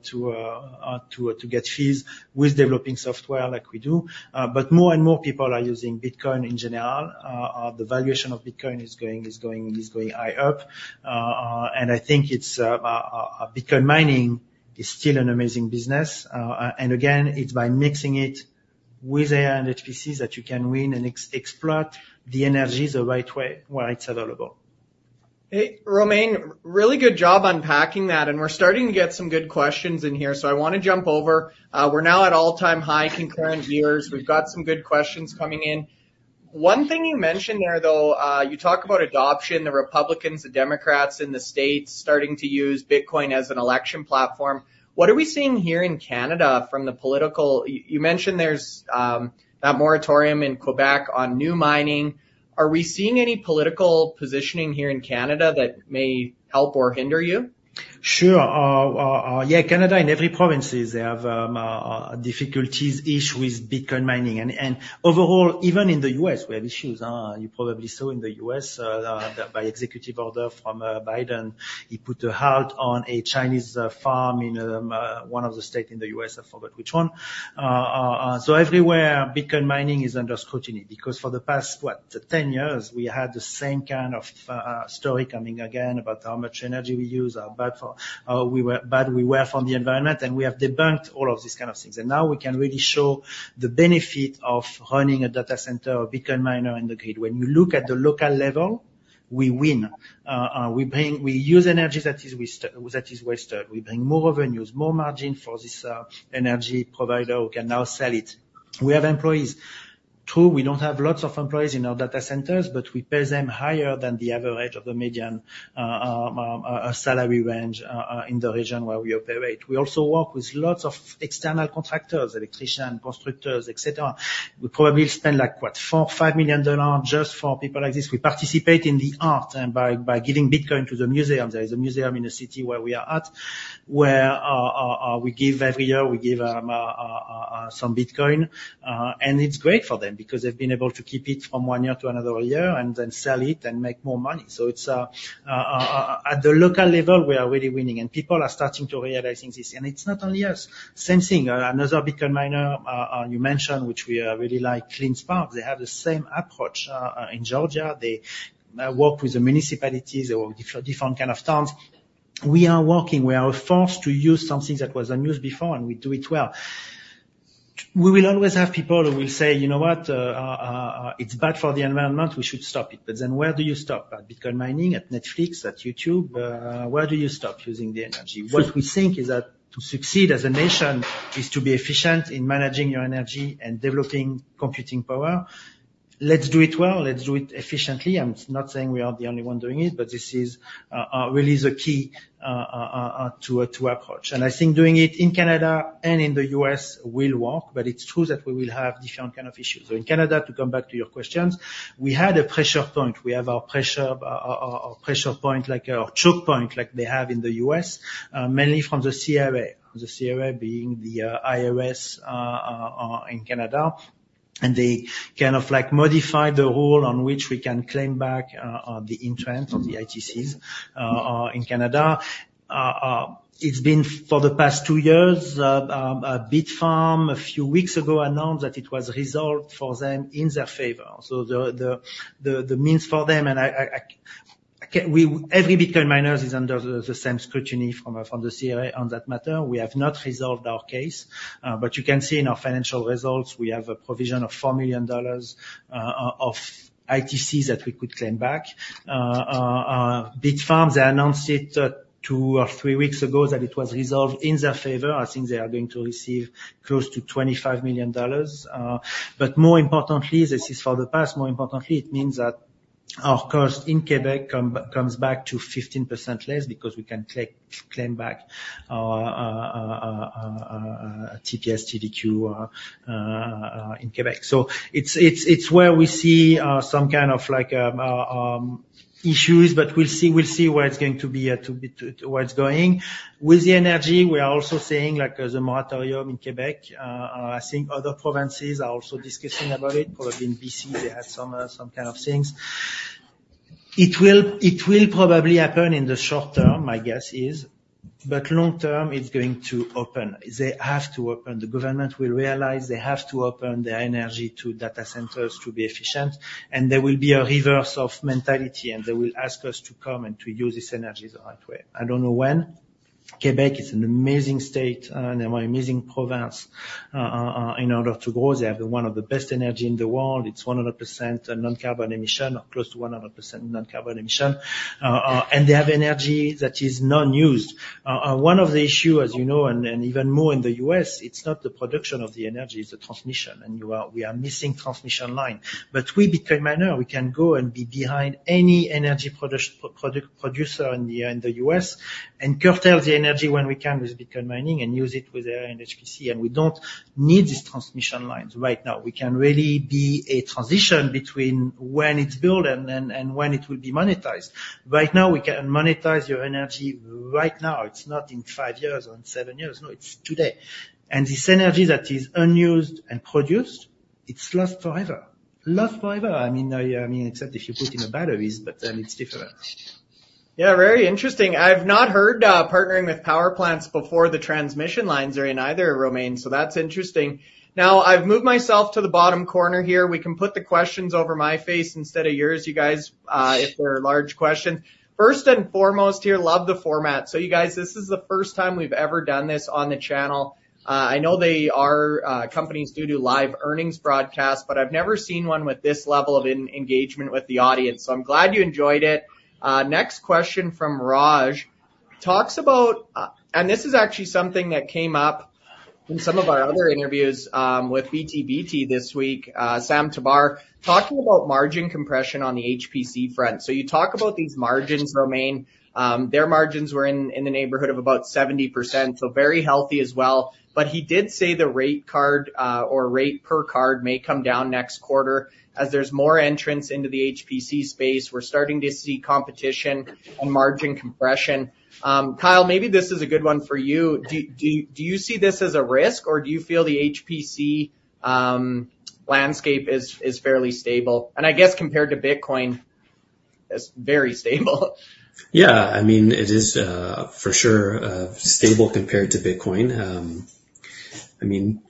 Speaker 2: get fees with developing software like we do. But more and more people are using Bitcoin in general. The valuation of Bitcoin is going high up. And I think it's Bitcoin mining is still an amazing business. And again, it's by mixing it with AI and HPCs that you can win and explore the energies the right way, where it's available.
Speaker 1: Hey, Romain, really good job unpacking that, and we're starting to get some good questions in here, so I wanna jump over. We're now at all-time high concurrent viewers. We've got some good questions coming in. One thing you mentioned there, though, you talk about adoption, the Republicans, the Democrats in the states starting to use Bitcoin as an election platform. What are we seeing here in Canada from the political... You mentioned there's that moratorium in Quebec on new mining. Are we seeing any political positioning here in Canada that may help or hinder you?
Speaker 2: Sure. Yeah, Canada, in every province, they have difficulties each with Bitcoin mining. And overall, even in the U.S., we have issues. You probably saw in the U.S., by executive order from Biden, he put a halt on a Chinese farm in one of the states in the U.S., I forgot which one. So everywhere, Bitcoin mining is under scrutiny because for the past 10 years, we had the same kind of story coming again about how much energy we use, how bad we were for the environment, and we have debunked all of these kind of things. And now we can really show the benefit of running a data center or Bitcoin miner in the grid. When you look at the local level, we win. We use energy that is wasted. We bring more revenues, more margin for this energy provider who can now sell it. We have employees. True, we don't have lots of employees in our data centers, but we pay them higher than the average of the median salary range in the region where we operate. We also work with lots of external contractors, electricians, constructors, et cetera. We probably spend, like, what, 4 million-5 million dollars just for people like this. We participate in the art, and by giving Bitcoin to the museum. There is a museum in the city where we are at, where we give every year, we give some Bitcoin, and it's great for them because they've been able to keep it from one year to another year, and then sell it and make more money. So it's at the local level, we are really winning, and people are starting to realizing this. And it's not only us. Same thing, another Bitcoin miner you mentioned, which we really like, CleanSpark, they have the same approach in Georgia. They work with the municipalities, they work with different kind of towns. We are working, we are forced to use something that was unused before, and we do it well. We will always have people who will say, "You know what? It's bad for the environment, we should stop it." But then where do you stop? At Bitcoin mining, at Netflix, at YouTube? Where do you stop using the energy? What we think is that to succeed as a nation is to be efficient in managing your energy and developing computing power. Let's do it well, let's do it efficiently. I'm not saying we are the only one doing it, but this is really the key to approach. And I think doing it in Canada and in the U.S. will work, but it's true that we will have different kind of issues. So in Canada, to come back to your questions, we had a pressure point. We have our pressure point, like a choke point, like they have in the U.S., mainly from the CRA. The CRA being the IRS in Canada, and they kind of, like, modified the rule on which we can claim back the interest of the ITCs in Canada. It's been for the past two years, Bitfarms, a few weeks ago, announced that it was resolved for them in their favor. So the means for them, and again, every Bitcoin miners is under the same scrutiny from the CRA on that matter. We have not resolved our case, but you can see in our financial results, we have a provision of 4 million dollars of ITCs that we could claim back. Bitfarms, they announced it two or three weeks ago that it was resolved in their favor. I think they are going to receive close to 25 million dollars. But more importantly, this is for the past, more importantly, it means that our cost in Quebec comes back to 15% less because we can claim back TPS, TVQ, in Quebec. So it's where we see some kind of like issues, but we'll see where it's going. With the energy, we are also seeing, like, the moratorium in Quebec. I think other provinces are also discussing about it. Probably in BC, they have some kind of things. It will probably happen in the short term, my guess is, but long term, it's going to open. They have to open. The government will realize they have to open their energy to data centers to be efficient, and there will be a reverse of mentality, and they will ask us to come and to use this energy the right way. I don't know when. Quebec is an amazing state, and an amazing province, in order to go. They have one of the best energy in the world. It's 100% non-carbon emission, or close to 100% non-carbon emission. And they have energy that is non-used. One of the issue, as you know, and, even more in the U.S., it's not the production of the energy, it's the transmission, and we are missing transmission line. But we, Bitcoin miner, we can go and be behind any energy producer in the U.S., and curtail the energy when we can with Bitcoin mining and use it with AI and HPC, and we don't need these transmission lines right now. We can really be a transition between when it's built and when it will be monetized. Right now, we can monetize your energy right now. It's not in five years or in seven years. No, it's today. And this energy that is unused and produced, it's lost forever. Last forever. I mean, except if you put in the batteries, but then it's different.
Speaker 1: Yeah, very interesting. I've not heard, partnering with power plants before the transmission lines are in either, Romain, so that's interesting. Now, I've moved myself to the bottom corner here. We can put the questions over my face instead of yours, you guys, if there are large questions. First and foremost here, love the format. So you guys, this is the first time we've ever done this on the channel. I know they are, companies do do live earnings broadcasts, but I've never seen one with this level of engagement with the audience, so I'm glad you enjoyed it. Next question from Raj, talks about, and this is actually something that came up in some of our other interviews, with BTBT this week, Sam Tabar, talking about margin compression on the HPC front. So you talk about these margins, Romain. Their margins were in the neighborhood of about 70%, so very healthy as well. But he did say the rate card or rate per card may come down next quarter as there's more entrants into the HPC space. We're starting to see competition and margin compression. Kyle, maybe this is a good one for you. Do you see this as a risk, or do you feel the HPC landscape is fairly stable? And I guess compared to Bitcoin, it's very stable.
Speaker 3: Yeah, I mean, it is, for sure, stable compared to Bitcoin. I mean,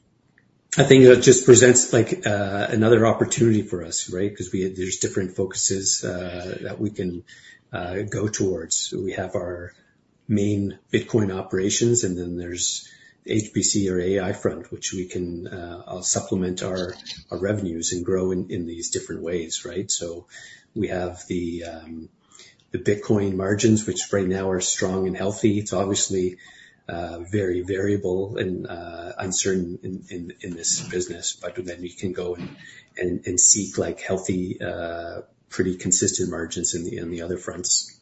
Speaker 3: I think that just presents like, another opportunity for us, right? 'Cause we have different focuses that we can go towards. We have our main Bitcoin operations, and then there's the HPC or AI front, which we can supplement our revenues and grow in these different ways, right? So we have the Bitcoin margins, which right now are strong and healthy. It's obviously, very variable and uncertain in this business, but then we can go and seek like healthy, pretty consistent margins on the other fronts.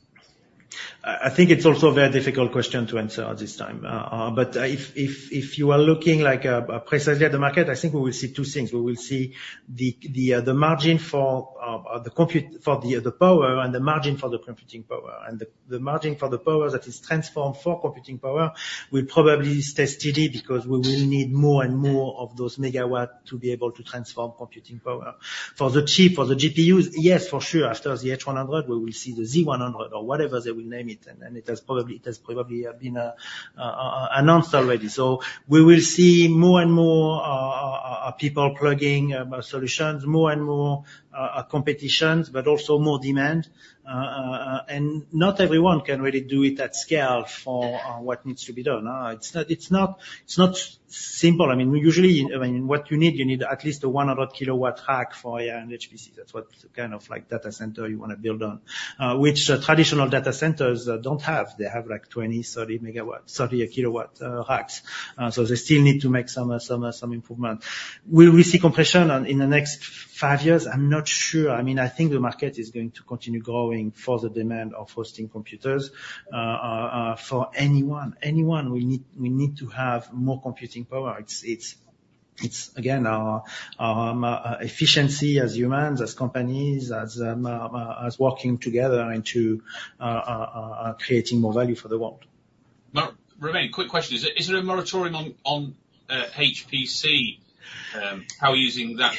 Speaker 2: I think it's also a very difficult question to answer at this time. But if you are looking like precisely at the market, I think we will see two things. We will see the margin for the compute, for the power and the margin for the computing power. And the margin for the power that is transformed for computing power will probably stay steady because we will need more and more of those megawatt to be able to transform computing power. For the cheap, for the GPUs, yes, for sure, after the H100, we will see the Z100 or whatever they will name it, and then it has probably been announced already. So we will see more and more people plugging solutions, more and more competitions, but also more demand. And not everyone can really do it at scale for what needs to be done. It's not simple. I mean, we usually, I mean, what you need, you need at least a 100 kW rack for, yeah, an HPC. That's what kind of, like, data center you wanna build on, which traditional data centers don't have. They have, like, 20, 30 MW, 30 kW racks. So they still need to make some improvement. Will we see compression on in the next five years? I'm not sure. I mean, I think the market is going to continue growing for the demand of hosting computers for anyone we need to have more computing power. It's again our efficiency as humans, as companies, as working together into creating more value for the world.
Speaker 4: No, Romain, quick question. Is there a moratorium on HPC, how using that?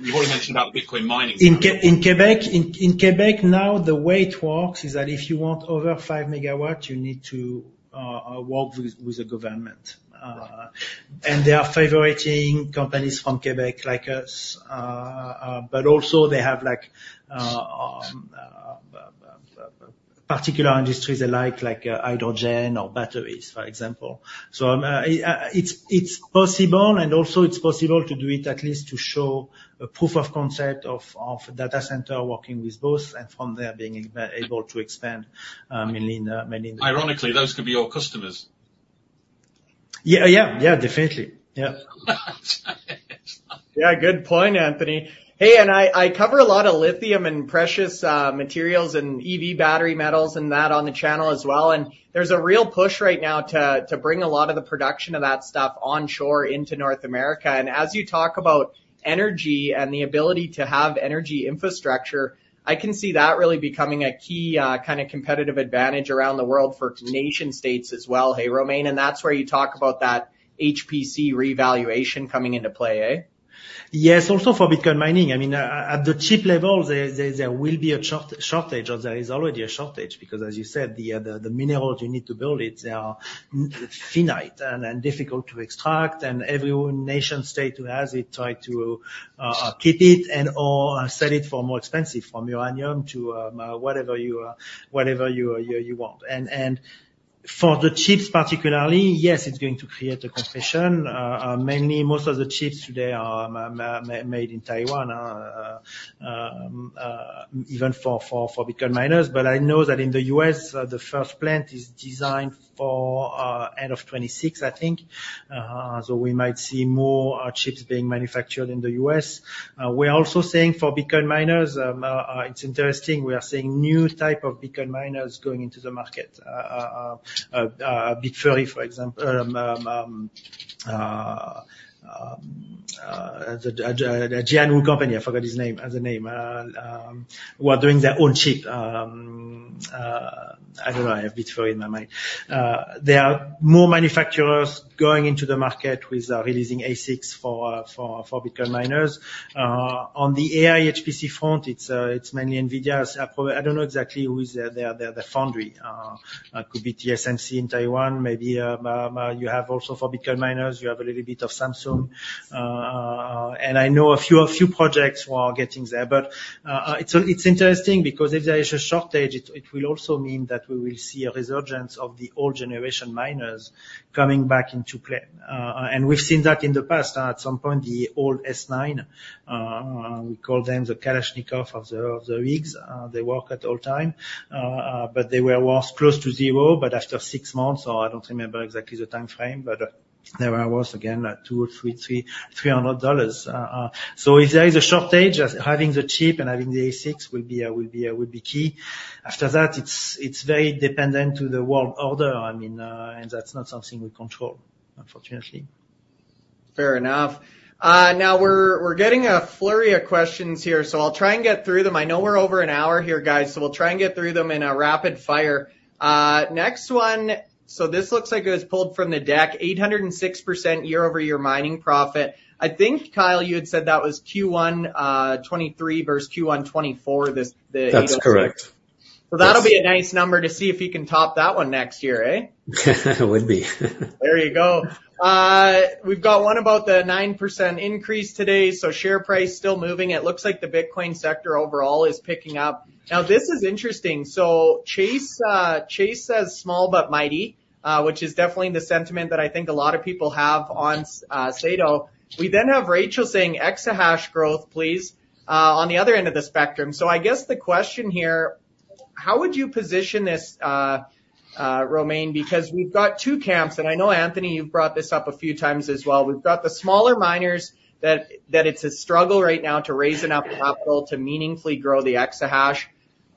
Speaker 4: You've already mentioned about the Bitcoin mining.
Speaker 2: In Quebec now, the way it works is that if you want over 5 megawatts, you need to work with the government. They are favoring companies from Quebec, like us, but also they have like particular industries they like, like hydrogen or batteries, for example. It's possible, and also it's possible to do it, at least to show a proof of concept of data center working with both, and from there, being able to expand in many-
Speaker 4: Ironically, those could be your customers.
Speaker 2: Yeah. Yeah, yeah, definitely. Yeah.
Speaker 1: Yeah, good point, Anthony. Hey, and I, I cover a lot of lithium and precious materials and EV battery metals and that on the channel as well, and there's a real push right now to bring a lot of the production of that stuff onshore into North America. As you talk about energy and the ability to have energy infrastructure, I can see that really becoming a key kind of competitive advantage around the world for nation states as well. Hey, Romain, and that's where you talk about that HPC revaluation coming into play, eh?
Speaker 2: Yes, also for Bitcoin mining. I mean, at the chip level, there will be a shortage, or there is already a shortage, because as you said, the minerals you need to build it, they are finite and difficult to extract, and every nation state who has it try to keep it and/or sell it for more expensive, from uranium to whatever you want. And for the chips particularly, yes, it's going to create a compression. Mainly, most of the chips today are made in Taiwan, even for Bitcoin miners. But I know that in the U.S., the first plant is designed for end of 2026, I think. So we might see more chips being manufactured in the U.S. We're also seeing for Bitcoin miners, it's interesting, we are seeing new type of Bitcoin miners going into the market, Bitfury, for example, the new company, I forgot his name, the name, who are doing their own chip, I don't know, I have Bitfury in my mind. There are more manufacturers going into the market with releasing ASICs for Bitcoin miners. On the AI HPC front, it's mainly NVIDIA's. I don't know exactly who is their foundry. Could be TSMC in Taiwan, maybe. You have also for Bitcoin miners, you have a little bit of Samsung. And I know a few projects were getting there. But, it's interesting because if there is a shortage, it will also mean that we will see a resurgence of the old generation miners coming back into play. And we've seen that in the past. At some point, the old S9, we call them the Kalashnikov of the rigs. They work at all time, but they were worth close to zero, but after six months, or I don't remember exactly the time frame, but they were worth again, two or three hundred dollars. So if there is a shortage, having the chip and having the ASICs will be key. After that, it's very dependent to the world order. I mean, and that's not something we control, unfortunately.
Speaker 1: Fair enough. Now we're getting a flurry of questions here, so I'll try and get through them. I know we're over an hour here, guys, so we'll try and get through them in a rapid fire. Next one, so this looks like it was pulled from the deck, 806% year-over-year mining profit. I think, Kyle, you had said that was Q1 2023 versus Q1 2024, this, the-
Speaker 3: That's correct.
Speaker 1: Well, that'll be a nice number to see if you can top that one next year, eh?
Speaker 2: It would be.
Speaker 1: There you go. We've got one about the 9% increase today, so share price still moving. It looks like the Bitcoin sector overall is picking up. Now, this is interesting. So Chase says, "Small but mighty," which is definitely the sentiment that I think a lot of people have on SATO. We then have Rachel saying, "Exahash growth, please," on the other end of the spectrum. So I guess the question here: how would you position this, Romain? Because we've got two camps, and I know, Anthony, you've brought this up a few times as well. We've got the smaller miners, that it's a struggle right now to raise enough capital to meaningfully grow the exahash.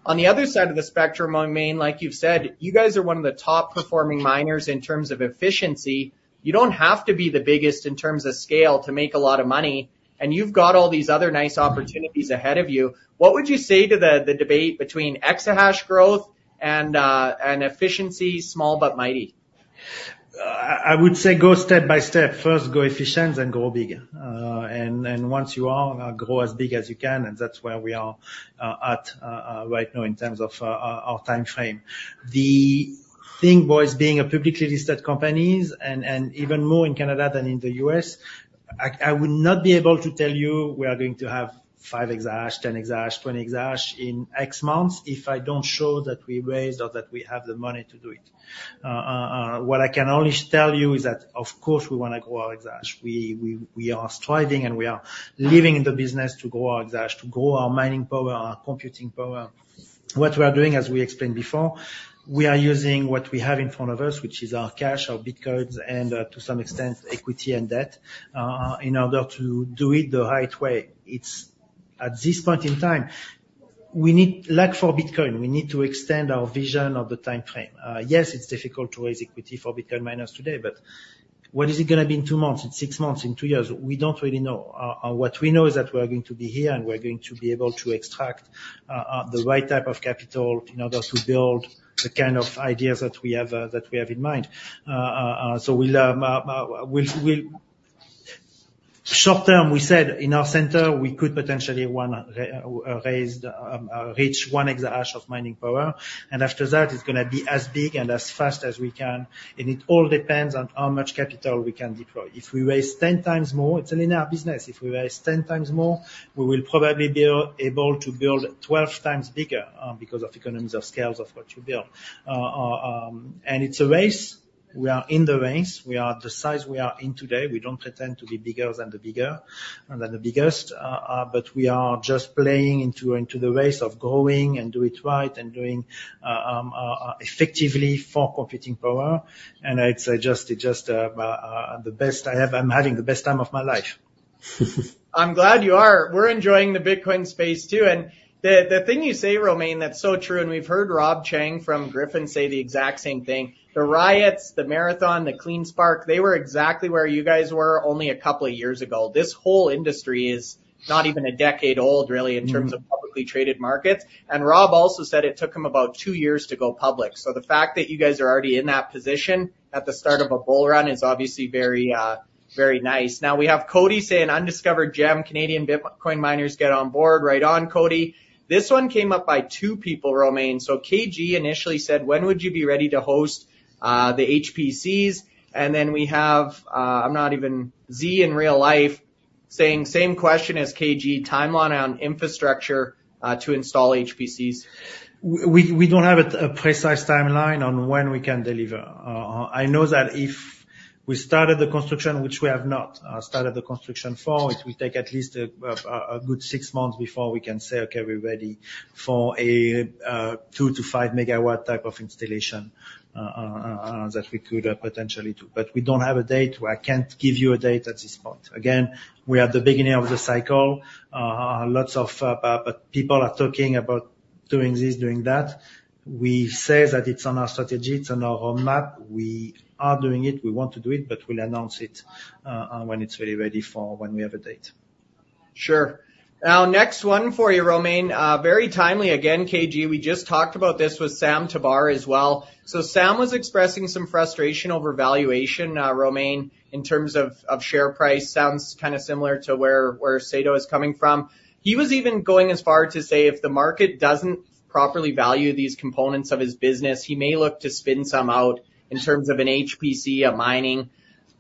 Speaker 1: On the other side of the spectrum, Romain, like you've said, you guys are one of the top-performing miners in terms of efficiency. You don't have to be the biggest in terms of scale to make a lot of money, and you've got all these other nice opportunities ahead of you. What would you say to the debate between exahash growth and efficiency, small but mighty?
Speaker 2: I would say go step by step. First, go efficient, then go bigger. Once you are, grow as big as you can, and that's where we are at right now in terms of our time frame. The thing, boys, being a publicly listed company and even more in Canada than in the U.S., I would not be able to tell you we are going to have five exahash, 10 exahash, 20 exahash in X months if I don't show that we raised or that we have the money to do it. What I can only tell you is that, of course, we wanna grow our exahash. We are striving, and we are living in the business to grow our exahash, to grow our mining power, our computing power. What we are doing, as we explained before, we are using what we have in front of us, which is our cash, our Bitcoins, and, to some extent, equity and debt, in order to do it the right way. It's. at this point in time, we need like for Bitcoin, we need to extend our vision of the time frame. Yes, it's difficult to raise equity for Bitcoin miners today, but what is it gonna be in two months, in six months, in two years? We don't really know. What we know is that we're going to be here, and we're going to be able to extract, the right type of capital in order to build the kind of ideas that we have, that we have in mind. So we'll, we'll. Short term, we said in our center, we could potentially reach 1 exahash of mining power, and after that, it's gonna be as big and as fast as we can, and it all depends on how much capital we can deploy. If we raise 10x more, it's in our business. If we raise 10x more, we will probably be able to build 12x bigger, because of economies of scale of what you build. And it's a race. We are in the race. We are the size we are in today. We don't pretend to be bigger than the bigger, than the biggest. But we are just playing into, into the race of growing and do it right and doing effectively for competing power. It's just, it's just, the best I have. I'm having the best time of my life.
Speaker 1: I'm glad you are. We're enjoying the Bitcoin space, too. And the thing you say, Romain, that's so true, and we've heard Rob Chang from Griffin say the exact same thing. The Riot, the Marathon, the CleanSpark, they were exactly where you guys were only a couple of years ago. This whole industry is not even a decade old, really in terms of publicly traded markets. And Rob also said it took him about two years to go public. So the fact that you guys are already in that position at the start of a bull run is obviously very, very nice. Now, we have Cody say, "An undiscovered gem, Canadian Bitcoin miners, get on board." Right on, Cody. This one came up by two people, Romain. So KG initially said, "When would you be ready to host the HPCs?" And then we have, I'm not even Z in real life, saying, "Same question as KG, timeline on infrastructure to install HPCs.
Speaker 2: We don't have a precise timeline on when we can deliver. I know that if we started the construction, which we have not started the construction for, it will take at least a good six months before we can say, "Okay, we're ready for a 2 MW-5 MW type of installation," that we could potentially do. But we don't have a date. I can't give you a date at this point. Again, we are at the beginning of the cycle. Lots of people are talking about doing this, doing that. We say that it's on our strategy, it's on our roadmap. We are doing it, we want to do it, but we'll announce it when it's really ready for when we have a date.
Speaker 1: Sure. Now, next one for you, Romain. Very timely again, KG. We just talked about this with Sam Tabar as well. So Sam was expressing some frustration over valuation, Romain, in terms of, of share price. Sounds kind of similar to where SATO is coming from. He was even going as far to say, if the market doesn't properly value these components of his business, he may look to spin some out, in terms of an HPC, a mining.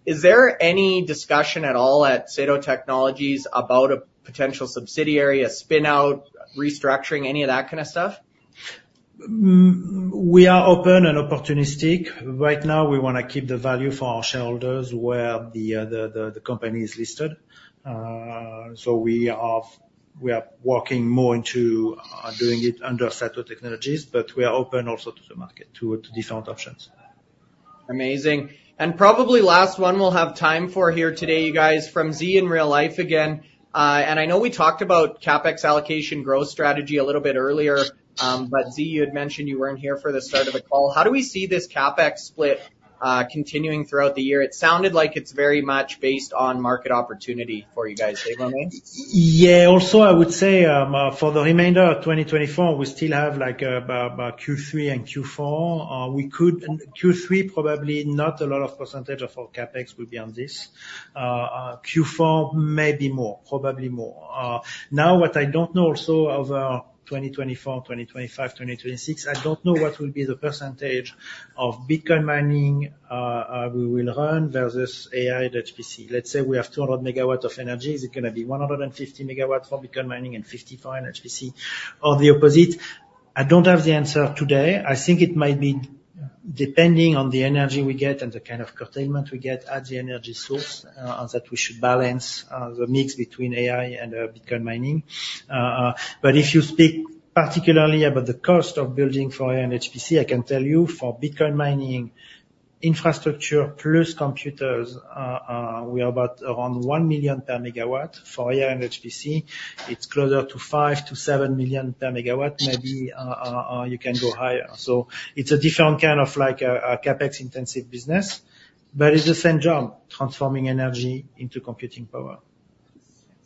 Speaker 1: Is there any discussion at all at SATO Technologies about a potential subsidiary, a spin out, restructuring, any of that kind of stuff?
Speaker 2: We are open and opportunistic. Right now, we want to keep the value for our shareholders where the company is listed. So we are working more into doing it under SATO Technologies, but we are open also to the market, to different options.
Speaker 1: Amazing. And probably last one we'll have time for here today, you guys, from Z in real life again, and I know we talked about CapEx allocation growth strategy a little bit earlier, but Z, you had mentioned you weren't here for the start of the call. How do we see this CapEx split, continuing throughout the year? It sounded like it's very much based on market opportunity for you guys. Right, Romain?
Speaker 2: Yeah, also, I would say, for the remainder of 2024, we still have, like, about Q3 and Q4. Q3, probably not a lot of percentage of our CapEx will be on this. Q4, maybe more, probably more. Now, what I don't know also over 2024, 2025, 2026, I don't know what will be the percentage of Bitcoin mining we will run versus AI and HPC. Let's say we have 200 MW of energy. Is it gonna be 150 MW for Bitcoin mining and 50 for HPC, or the opposite? I don't have the answer today. I think it might be depending on the energy we get and the kind of curtailment we get at the energy source, and that we should balance the mix between AI and Bitcoin mining. But if you speak particularly about the cost of building for AI and HPC, I can tell you, for Bitcoin mining, infrastructure plus computers, we are about around $1 million per megawatt. For AI and HPC, it's closer to $5 million-$7 million per megawatt, maybe you can go higher. So it's a different kind of, like, a CapEx-intensive business, but it's the same job, transforming energy into computing power.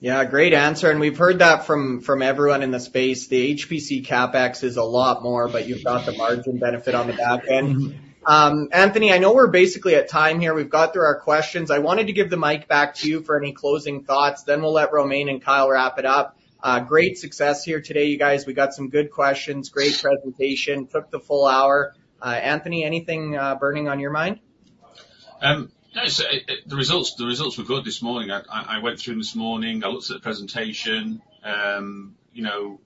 Speaker 1: Yeah, great answer, and we've heard that from, from everyone in the space. The HPC CapEx is a lot more, but you've got the margin benefit on the back end. Anthony, I know we're basically at time here. We've got through our questions. I wanted to give the mic back to you for any closing thoughts, then we'll let Romain and Kyle wrap it up. Great success here today, you guys. We got some good questions, great presentation, took the full hour. Anthony, anything burning on your mind?
Speaker 4: No. So, the results were good this morning. I went through them this morning. I looked at the presentation, you know,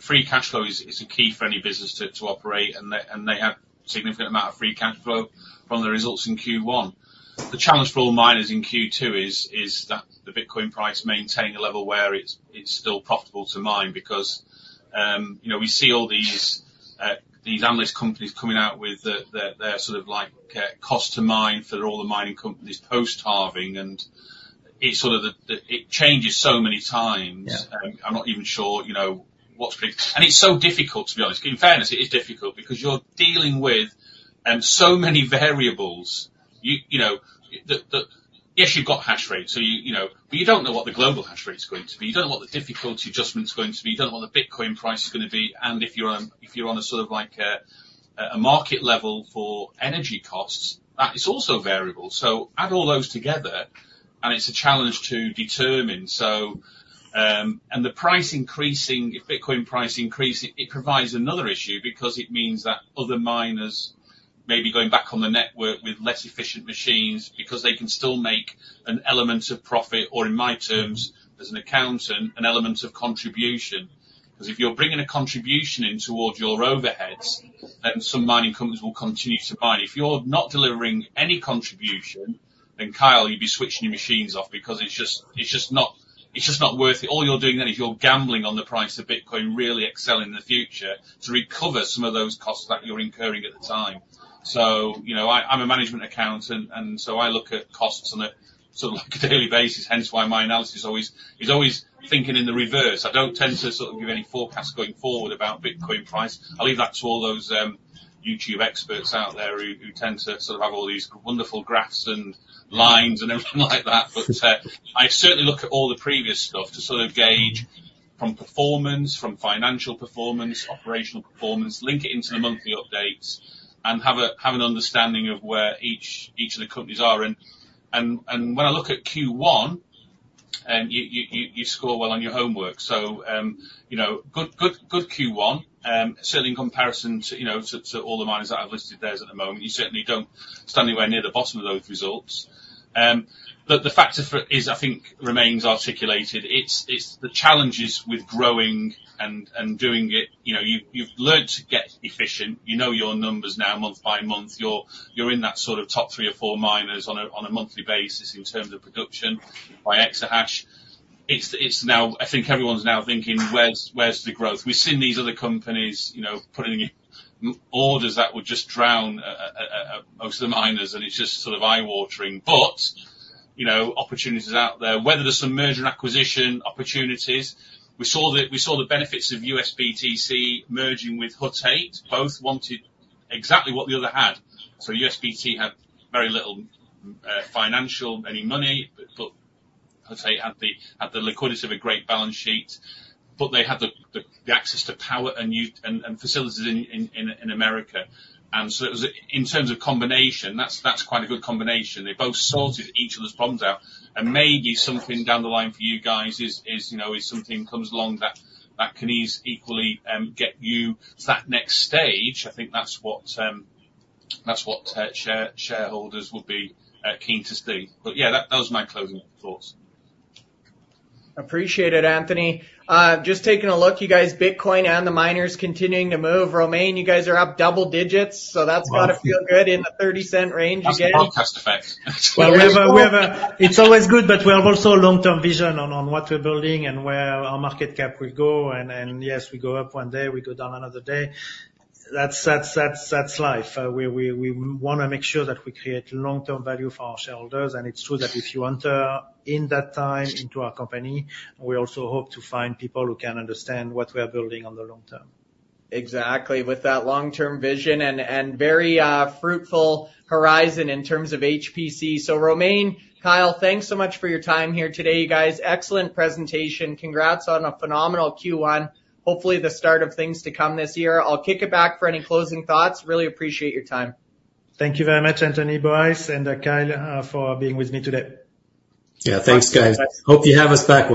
Speaker 4: free cash flow is a key for any business to operate, and they have significant amount of free cash flow from the results in Q1. The challenge for all miners in Q2 is that the Bitcoin price maintain a level where it's still profitable to mine, because, you know, we see all these analyst companies coming out with their sort of like cost to mine for all the mining companies post-halving, and it's sort of the It changes so many times.
Speaker 1: Yeah.
Speaker 4: I'm not even sure, you know, what's going. It's so difficult, to be honest. In fairness, it is difficult, because you're dealing with so many variables. You know the. Yes, you've got hash rate, so you know, but you don't know what the global hash rate is going to be. You don't know what the difficulty adjustment is going to be. You don't know what the Bitcoin price is gonna be, and if you're on a sort of like a market level for energy costs, that is also variable. So add all those together, and it's a challenge to determine. So, and the price increasing, if Bitcoin price increasing, it provides another issue, because it means that other miners may be going back on the network with less efficient machines, because they can still make an element of profit, or in my terms, as an accountant, an element of contribution. Because if you're bringing a contribution in towards your overheads, then some mining companies will continue to buy. If you're not delivering any contribution, then Kyle, you'd be switching your machines off, because it's just, it's just not, it's just not worth it. All you're doing then is you're gambling on the price of Bitcoin really excelling in the future to recover some of those costs that you're incurring at the time. So, you know, I'm a management accountant, and so I look at costs on a, sort of, like, a daily basis, hence why my analysis always is always thinking in the reverse. I don't tend to sort of give any forecast going forward about Bitcoin price. I leave that to all those YouTube experts out there who tend to sort of have all these wonderful graphs and lines and everything like that. But I certainly look at all the previous stuff to sort of gauge from performance, from financial performance, operational performance, link it into the monthly updates, and have an understanding of where each of the companies are. And when I look at Q1, you score well on your homework, so, you know, good, good, good Q1. Certainly in comparison to, you know, to all the miners that I've listed, there is at the moment, you certainly don't stand anywhere near the bottom of those results. But the factor for it is, I think, remains articulated. It's the challenges with growing and doing it. You know, you've learned to get efficient. You know your numbers now, month-by-month. You're in that sort of top three or four miners on a monthly basis in terms of production by exahash. It's now. I think everyone's now thinking: Where's the growth? We've seen these other companies, you know, putting in orders that would just drown most of the miners, and it's just sort of eye-watering. But, you know, opportunities are out there, whether there's some merger and acquisition opportunities. We saw the benefits of USBTC merging with Hut 8. Both wanted exactly what the other had. So USBTC had very little financial any money, but Hut 8 had the liquidity of a great balance sheet, but they had the access to power and facilities in America. And so it was, in terms of combination, that's quite a good combination. They both sorted each other's problems out, and maybe something down the line for you guys is, you know, if something comes along that can ease equally get you to that next stage, I think that's what that's what shareholders would be keen to see. But yeah, that was my closing thoughts.
Speaker 1: Appreciate it, Anthony. Just taking a look, you guys, Bitcoin and the miners continuing to move. Romain, you guys are up double digits, so that's-
Speaker 2: Wow!
Speaker 1: Gotta feel good in the $0.30 range you're getting.
Speaker 4: That's the broadcast effect.
Speaker 2: Well, we have a. It's always good, but we have also long-term vision on what we're building and where our market cap will go, and yes, we go up one day, we go down another day. That's life. We wanna make sure that we create long-term value for our shareholders, and it's true that if you enter in that time into our company, we also hope to find people who can understand what we are building on the long term.
Speaker 1: Exactly, with that long-term vision and, and very fruitful horizon in terms of HPC. So Romain, Kyle, thanks so much for your time here today, you guys. Excellent presentation. Congrats on a phenomenal Q1, hopefully the start of things to come this year. I'll kick it back for any closing thoughts. Really appreciate your time.
Speaker 2: Thank you very much, Anthony Bryce, and Kyle, for being with me today.
Speaker 3: Yeah, thanks, guys. Hope you have us back one day.